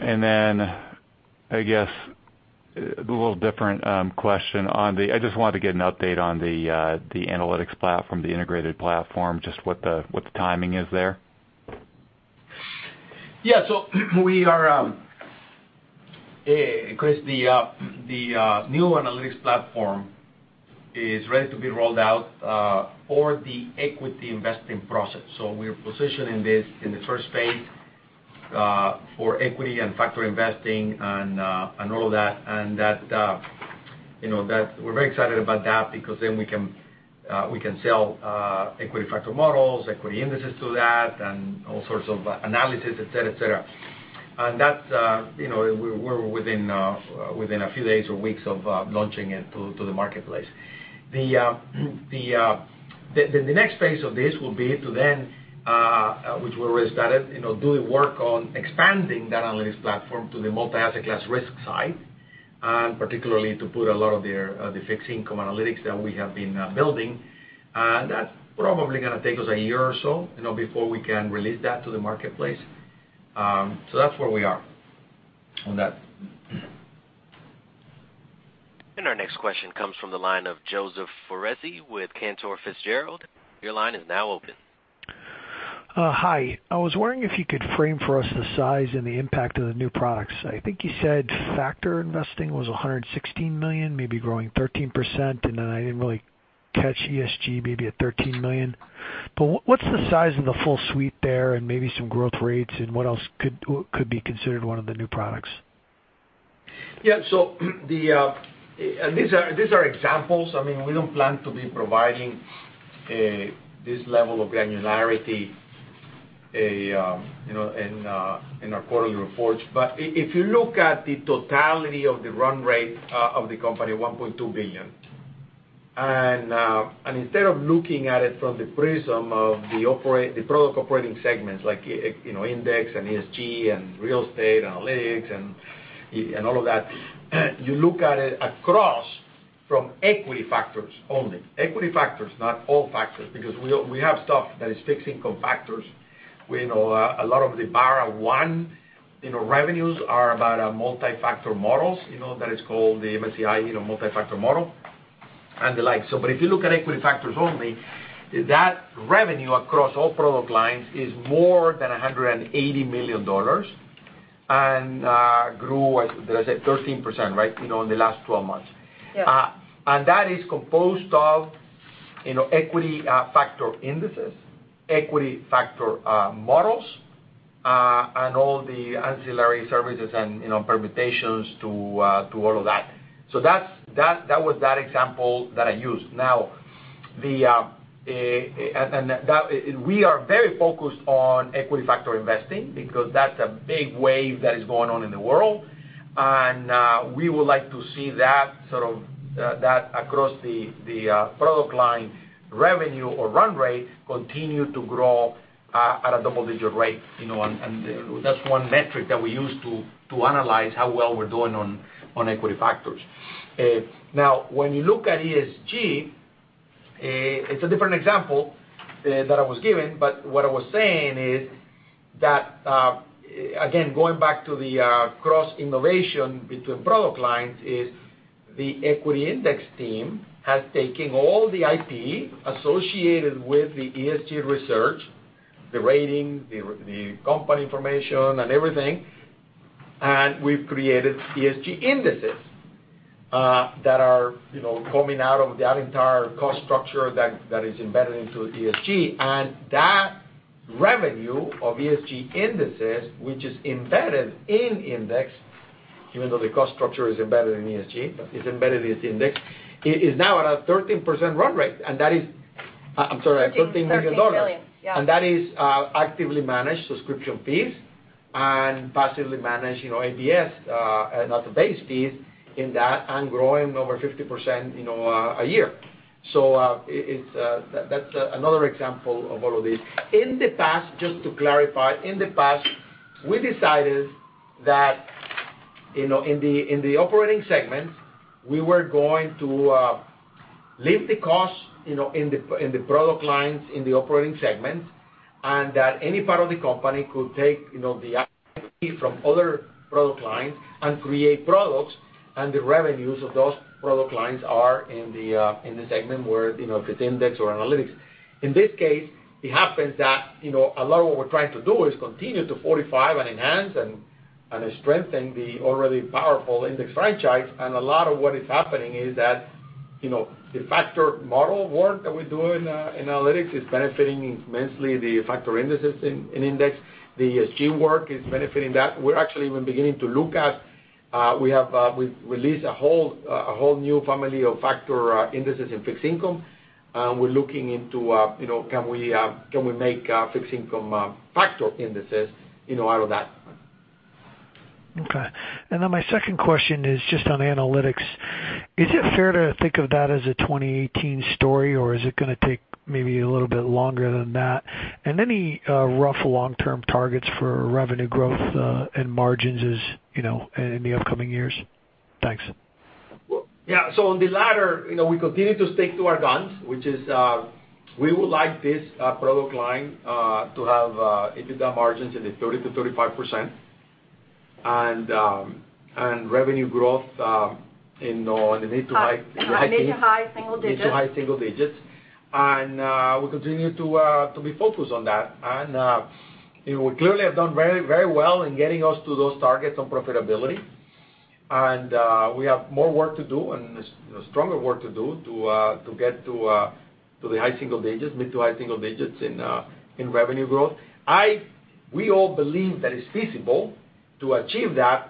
guess a little different question. I just wanted to get an update on the analytics platform, the integrated platform, just what the timing is there. Yeah. We are, Chris, the new analytics platform is ready to be rolled out for the equity investing process. We're positioning this in the first phase for equity and factor investing and all of that. We're very excited about that because then we can sell equity factor models, equity indices to that, and all sorts of analysis, et cetera. That we're within a few days or weeks of launching it to the marketplace. The next phase of this will be to then, which we're already started, do the work on expanding that analytics platform to the multi-asset class risk side, and particularly to put a lot of the fixed income analytics that we have been building. That's probably going to take us a year or so before we can release that to the marketplace. That's where we are on that. Our next question comes from the line of Joseph Foresi with Cantor Fitzgerald. Your line is now open. Hi. I was wondering if you could frame for us the size and the impact of the new products. I think you said factor investing was $116 million, maybe growing 13%, then I didn't really catch ESG, maybe at $13 million. What's the size and the full suite there, and maybe some growth rates, and what else could be considered one of the new products? Yeah. These are examples. We don't plan to be providing this level of granularity in our quarterly reports. If you look at the totality of the run rate of the company, $1.2 billion, and instead of looking at it from the prism of the product operating segments, like index and ESG and real estate analytics and all of that, you look at it across from equity factors only. Equity factors, not all factors, because we have stuff that is fixed income factors. A lot of the BarraOne revenues are about multi-factor models that is called the MSCI Multi-Asset Class Factor Model and the like. If you look at equity factors only, that revenue across all product lines is more than $180 million and grew, did I say 13% right, in the last 12 months. Yes. That is composed of equity factor indices, equity factor models, and all the ancillary services and permutations to all of that. That was that example that I used. We are very focused on equity factor investing because that's a big wave that is going on in the world. We would like to see that across the product line revenue or run rate continue to grow at a double-digit rate. That's one metric that we use to analyze how well we're doing on equity factors. When you look at ESG, it's a different example that I was given, but what I was saying is that, again, going back to the cross-innovation between product lines is the equity Index team has taken all the IP associated with the ESG research, the rating, the company information, and everything, and we've created ESG indices that are coming out of that entire cost structure that is embedded into ESG. That revenue of ESG indices, which is embedded in Index, even though the cost structure is embedded in ESG, it's embedded in Index. It is now at $13 million. $13 million, yeah. That is actively managed subscription fees and passively managed ABS, and other base fees in that, and growing over 50% a year. That's another example of all of this. In the past, just to clarify, in the past, we decided that in the operating segment, we were going to leave the cost in the product lines in the operating segment, and that any part of the company could take the IP from other product lines and create products, and the revenues of those product lines are in the segment where, if it's Index or Analytics. In this case, it happens that a lot of what we're trying to do is continue to fortify and enhance and strengthen the already powerful Index franchise. A lot of what is happening is that the factor model work that we do in Analytics is benefiting immensely the factor indices in Index. The ESG work is benefiting that. We've released a whole new family of factor indices in fixed income. We're looking into, can we make fixed income factor indices out of that? Okay. My second question is just on analytics. Is it fair to think of that as a 2018 story, or is it going to take maybe a little bit longer than that? Any rough long-term targets for revenue growth and margins in the upcoming years? Thanks. Yeah. On the latter, we continue to stick to our guns, which is, we would like this product line to have EBITDA margins in the 30%-35% and revenue growth in the mid to high- Mid to high single digits mid to high single digits. We continue to be focused on that. We clearly have done very well in getting us to those targets on profitability. We have more work to do and stronger work to do to get to the high single digits, mid to high single digits in revenue growth. We all believe that it's feasible to achieve that,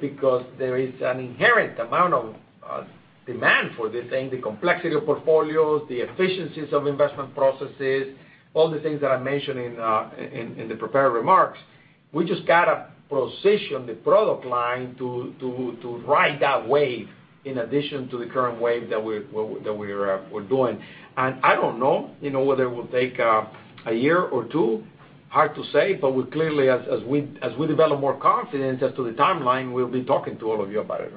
because there is an inherent amount of demand for this thing, the complexity of portfolios, the efficiencies of investment processes, all the things that I mentioned in the prepared remarks. We just got to position the product line to ride that wave in addition to the current wave that we're doing. I don't know whether it will take a year or two. Hard to say, we clearly, as we develop more confidence as to the timeline, we'll be talking to all of you about it.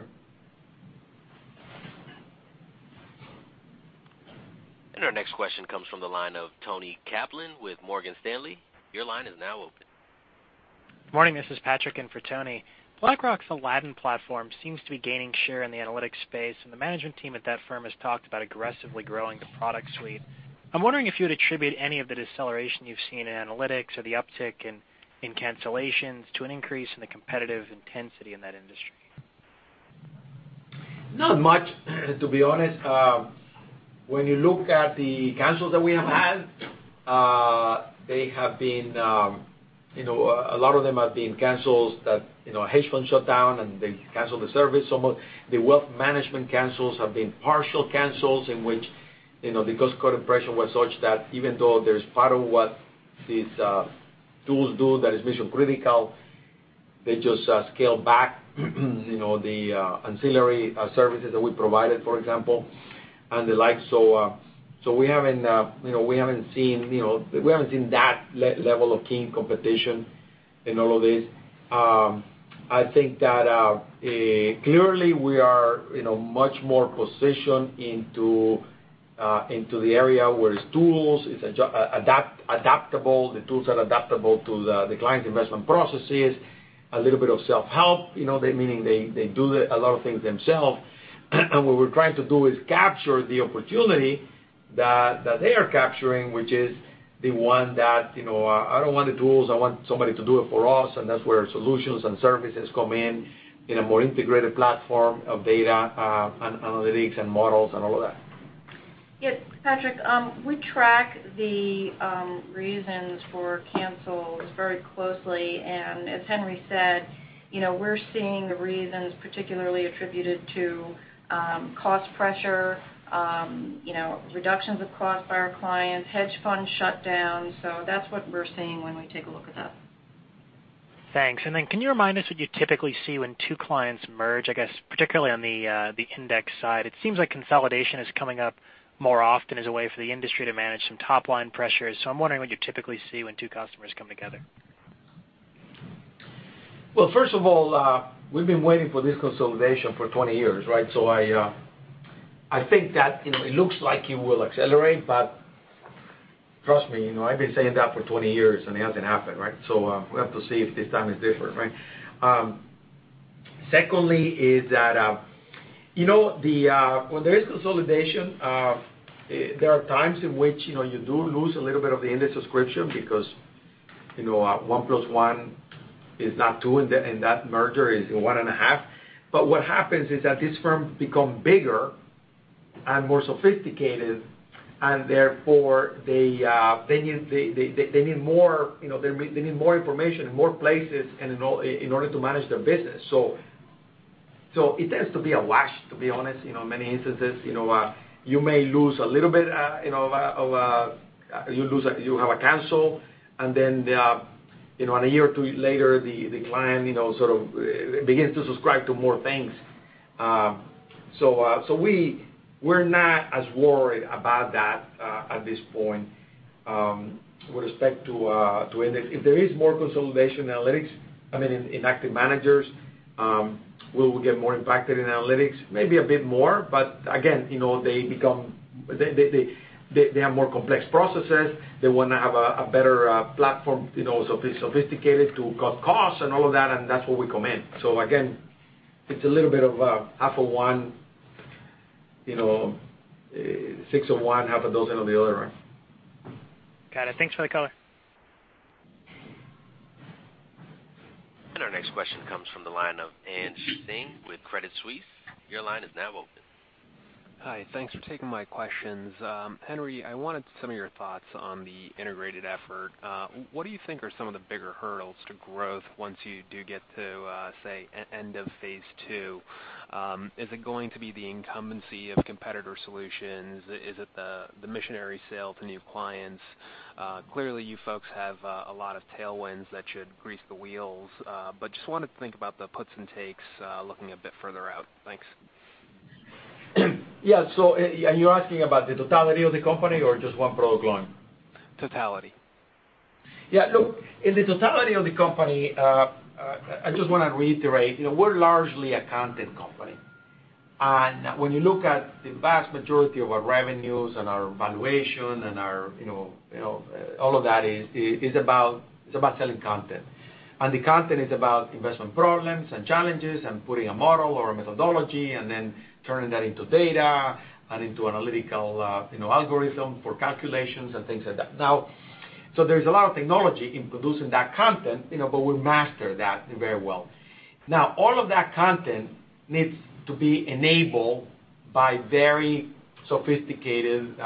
Our next question comes from the line of Toni Kaplan with Morgan Stanley. Your line is now open. Morning. This is Patrick in for Toni. BlackRock's Aladdin platform seems to be gaining share in the analytics space, and the management team at that firm has talked about aggressively growing the product suite. I'm wondering if you would attribute any of the deceleration you've seen in analytics or the uptick in cancellations to an increase in the competitive intensity in that industry. Not much, to be honest. When you look at the cancels that we have had, a lot of them have been cancels that a hedge fund shut down, and they cancel the service. The wealth management cancels have been partial cancels, in which the cost pressure was such that even though there's part of what these tools do that is mission-critical, they just scale back the ancillary services that we provided, for example, and the like. We haven't seen that level of keen competition in all of this. I think that clearly we are much more positioned into the area where it's tools, it's adaptable, the tools are adaptable to the client's investment processes. A little bit of self-help, meaning they do a lot of things themselves. What we're trying to do is capture the opportunity that they are capturing, which is the one that, "I don't want the tools. I want somebody to do it for us." That's where solutions and services come in a more integrated platform of data and analytics and models and all of that. Yes, Patrick, we track the reasons for cancels very closely. As Henry said, we're seeing the reasons particularly attributed to cost pressure, reductions of cost by our clients, hedge fund shutdowns. That's what we're seeing when we take a look at that. Thanks. Can you remind us what you typically see when two clients merge, I guess particularly on the index side? It seems like consolidation is coming up more often as a way for the industry to manage some top-line pressures. I'm wondering what you typically see when two customers come together. Well, first of all, we've been waiting for this consolidation for 20 years, right? I think that it looks like it will accelerate, but trust me, I've been saying that for 20 years, and it hasn't happened, right? We have to see if this time is different, right? Secondly is that when there is consolidation, there are times in which you do lose a little bit of the index subscription because one plus one is not two in that merger. It's one and a half. What happens is that these firms become bigger and more sophisticated, and therefore they need more information in more places in order to manage their business. It tends to be a wash, to be honest. In many instances, you may lose a little bit, you have a cancel, and then a year or two later, the client sort of begins to subscribe to more things. We're not as worried about that at this point with respect to index. If there is more consolidation in analytics, I mean, in active managers, will we get more impacted in analytics? Maybe a bit more, but again they have more complex processes. They want to have a better platform, sophisticated to cut costs and all of that, and that's where we come in. Again, it's a little bit of six of one, half a dozen of the other. Got it. Thanks for the color. Our next question comes from the line of Manav Patnaik with Credit Suisse. Your line is now open. Hi. Thanks for taking my questions. Henry, I wanted some of your thoughts on the integrated effort. What do you think are some of the bigger hurdles to growth once you do get to, say, end of phase two? Is it going to be the incumbency of competitor solutions? Is it the missionary sale to new clients? Clearly, you folks have a lot of tailwinds that should grease the wheels. Just wanted to think about the puts and takes looking a bit further out. Thanks. Yeah. Are you asking about the totality of the company or just one product line? Totality. Yeah. Look, in the totality of the company, I just want to reiterate, we're largely a content company. When you look at the vast majority of our revenues and our valuation and all of that, it's about selling content. The content is about investment problems and challenges and putting a model or a methodology and then turning that into data and into analytical algorithms for calculations and things like that. There's a lot of technology in producing that content, but we master that very well. Now, all of that content needs to be enabled by very sophisticated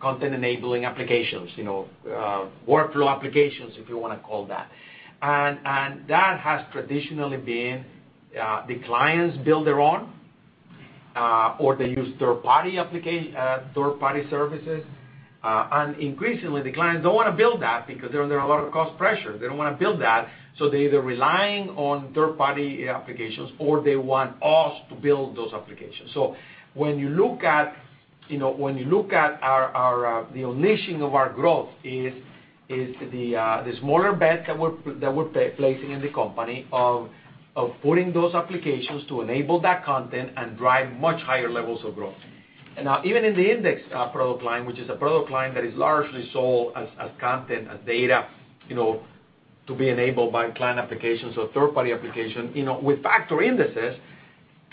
content-enabling applications, workflow applications, if you want to call it that. That has traditionally been the clients build their own, or they use third-party services. Increasingly, the clients don't want to build that because they're under a lot of cost pressure. They don't want to build that, they're either relying on third-party applications, or they want us to build those applications. When you look at the ignition of our growth, it's the smaller bets that we're placing in the company of putting those applications to enable that content and drive much higher levels of growth. Now even in the index product line, which is a product line that is largely sold as content and data to be enabled by client applications or third-party application. With factor indices,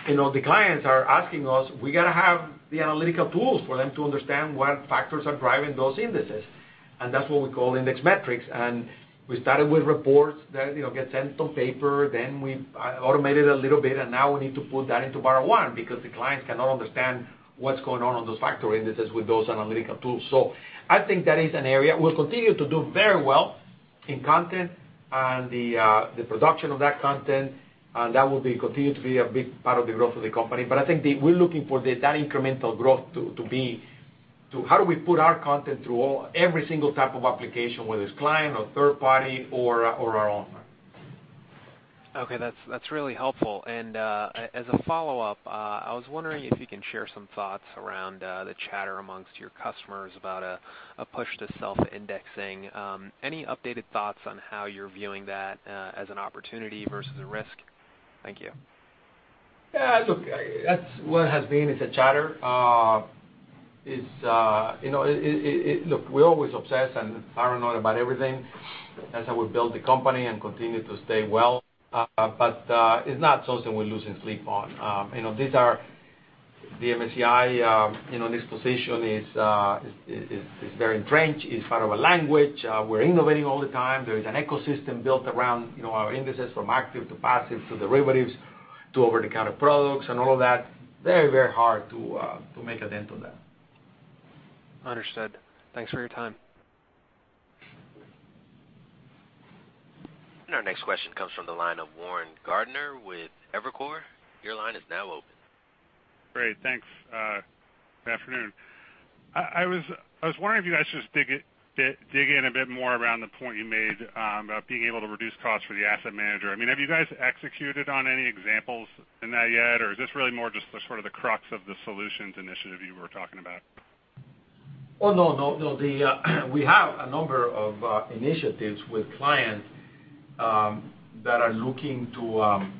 the clients are asking us, we got to have the analytical tools for them to understand what factors are driving those indices. That's what we call Index Metrics. We started with reports that get sent on paper, we automated a little bit, now we need to put that into BarraOne because the clients cannot understand what's going on on those factor indices with those analytical tools. I think that is an area we'll continue to do very well in content and the production of that content, that will continue to be a big part of the growth of the company. I think that we're looking for that incremental growth to be, how do we put our content through every single type of application, whether it's client or third party or our own? Okay. That's really helpful. As a follow-up, I was wondering if you can share some thoughts around the chatter amongst your customers about a push to self-indexing. Any updated thoughts on how you're viewing that as an opportunity versus a risk? Thank you. Yeah. Look, what has been is a chatter. Look, we always obsess and paranoid about everything. That's how we built the company and continue to stay well. It's not something we're losing sleep on. The MSCI disposition is very entrenched. It's part of our language. We're innovating all the time. There's an ecosystem built around our indices from active to passive to derivatives to over-the-counter products and all of that. Very hard to make a dent on that. Understood. Thanks for your time. Our next question comes from the line of Warren Gardiner with Evercore. Your line is now open. Great, thanks. Good afternoon. I was wondering if you guys just dig in a bit more around the point you made about being able to reduce costs for the asset manager. Have you guys executed on any examples in that yet, or is this really more just the crux of the solutions initiative you were talking about? Oh, no. We have a number of initiatives with clients that are looking to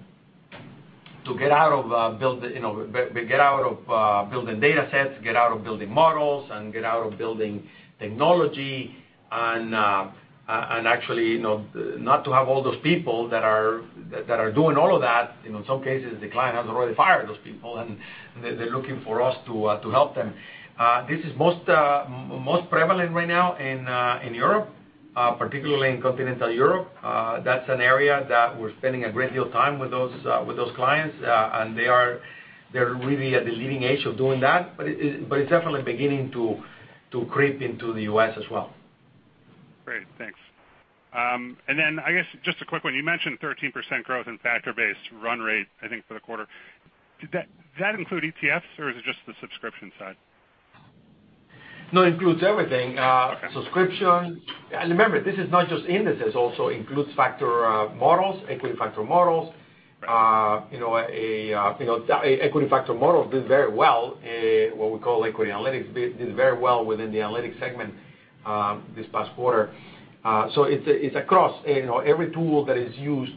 get out of building datasets, get out of building models, and get out of building technology and actually not to have all those people that are doing all of that. In some cases, the client has already fired those people, and they're looking for us to help them. This is most prevalent right now in Europe, particularly in continental Europe. That's an area that we're spending a great deal of time with those clients, and they're really at the leading edge of doing that. It's definitely beginning to creep into the U.S. as well. Great. Thanks. I guess, just a quick one. You mentioned 13% growth in factor-based run rate, I think, for the quarter. Does that include ETFs, or is it just the subscription side? No, it includes everything. Okay. Subscription. Remember, this is not just indices, also includes factor models, equity factor models. Right. Equity factor models did very well. What we call equity analytics did very well within the analytics segment this past quarter. It's across every tool that is used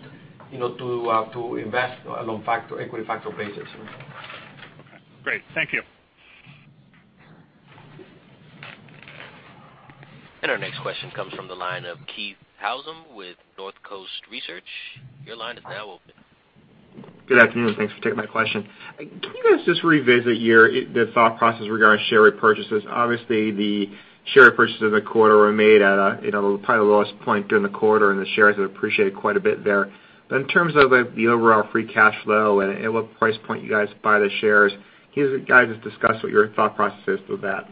to invest along equity factor basis. Okay, great. Thank you. Our next question comes from the line of Keith Housum with Northcoast Research. Your line is now open. Good afternoon. Thanks for taking my question. Can you guys just revisit your thought process regarding share repurchases? Obviously, the share purchases in the quarter were made at probably the lowest point during the quarter, and the shares have appreciated quite a bit there. In terms of the overall free cash flow and at what price point you guys buy the shares, can you guys just discuss what your thought process is with that?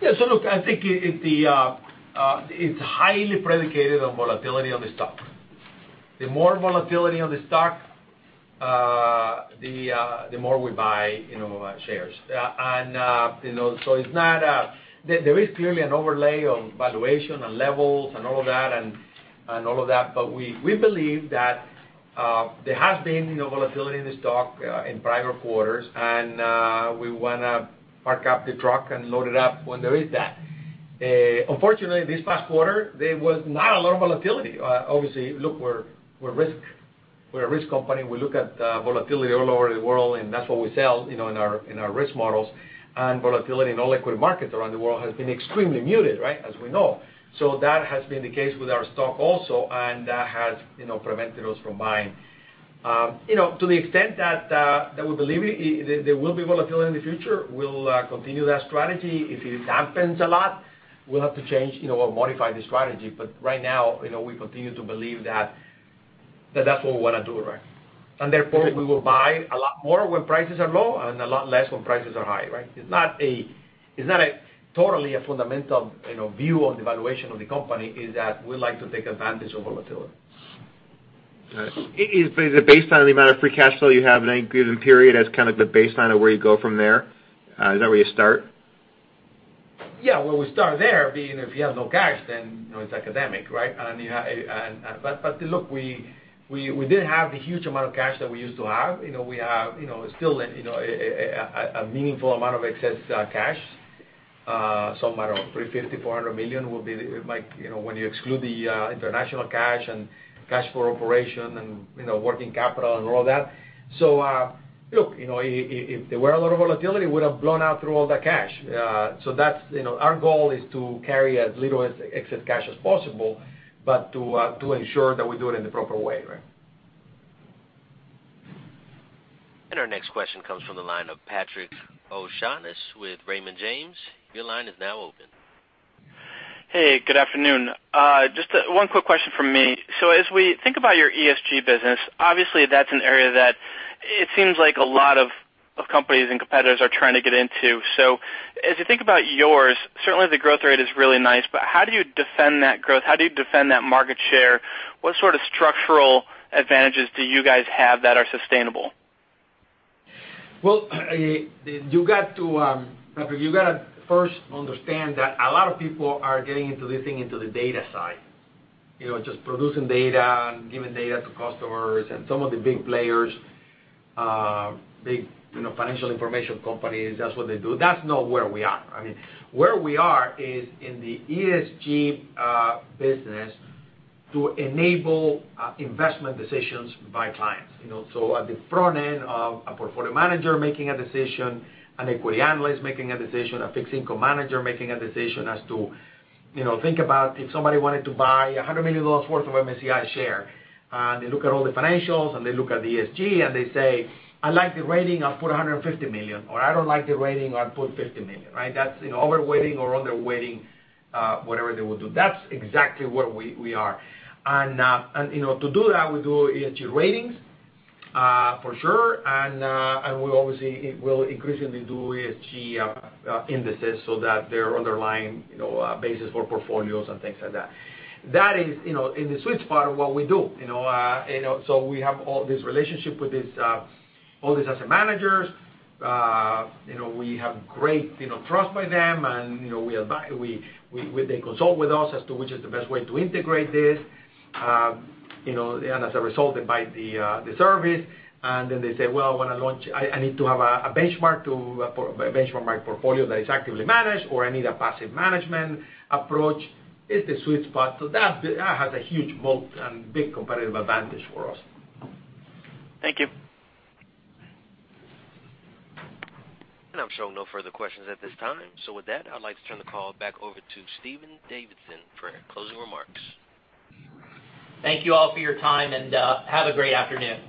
Yeah. Look, I think it's highly predicated on volatility of the stock. The more volatility of the stock, the more we buy shares. There is clearly an overlay of valuation and levels and all of that. We believe that there has been volatility in the stock in prior quarters, and we want to park up the truck and load it up when there is that. Unfortunately, this past quarter, there was not a lot of volatility. Obviously, look, we're a risk company. We look at volatility all over the world, and that's what we sell in our risk models, and volatility in all equity markets around the world has been extremely muted, right, as we know. That has been the case with our stock also, and that has prevented us from buying. To the extent that we believe there will be volatility in the future, we'll continue that strategy. If it dampens a lot, we'll have to change or modify the strategy. Right now, we continue to believe that that's what we want to do, right? We will buy a lot more when prices are low and a lot less when prices are high, right? It's not a totally a fundamental view on the valuation of the company. We like to take advantage of volatility. Got it. Is it based on the amount of free cash flow you have in any given period as kind of the baseline of where you go from there? Is that where you start? Well, we start there, being if you have no cash, then it's academic, right? Look, we didn't have the huge amount of cash that we used to have. We have still a meaningful amount of excess cash. Some amount of $350 million-$400 million will be like, when you exclude the international cash and cash for operation and working capital and all that. Look, if there were a lot of volatility, we would have blown out through all that cash. Our goal is to carry as little excess cash as possible, but to ensure that we do it in the proper way, right? Our next question comes from the line of Patrick O'Shaughnessy with Raymond James. Your line is now open. Hey, good afternoon. Just one quick question from me. As we think about your ESG business, obviously, that's an area that it seems like a lot of companies and competitors are trying to get into. As you think about yours, certainly the growth rate is really nice, how do you defend that growth? How do you defend that market share? What sort of structural advantages do you guys have that are sustainable? Patrick, you got to first understand that a lot of people are getting into this thing into the data side. Just producing data and giving data to customers and some of the big players, big financial information companies, that's what they do. That's not where we are. Where we are is in the ESG business to enable investment decisions by clients. At the front end of a portfolio manager making a decision, an equity analyst making a decision, a fixed income manager making a decision as to think about if somebody wanted to buy $100 million worth of MSCI share. They look at all the financials and they look at the ESG and they say, "I like the rating, I'll put $150 million," or, "I don't like the rating, I'll put $50 million." Right? That's over-weighting or under-weighting, whatever they will do. That's exactly where we are. To do that, we do ESG ratings, for sure, and we obviously will increasingly do ESG indices so that their underlying basis for portfolios and things like that. That is in the sweet spot of what we do. We have all this relationship with all these asset managers. We have great trust by them, and they consult with us as to which is the best way to integrate this. As a result, they buy the service, and then they say, "Well, I need to have a benchmark my portfolio that is actively managed," or, "I need a passive management approach." It's the sweet spot. That has a huge moat and big competitive advantage for us. Thank you. I'm showing no further questions at this time. With that, I'd like to turn the call back over to Stephen Davidson for closing remarks. Thank you all for your time, and have a great afternoon.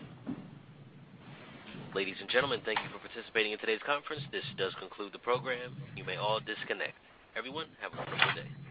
Ladies and gentlemen, thank you for participating in today's conference. This does conclude the program. You may all disconnect. Everyone, have a wonderful day.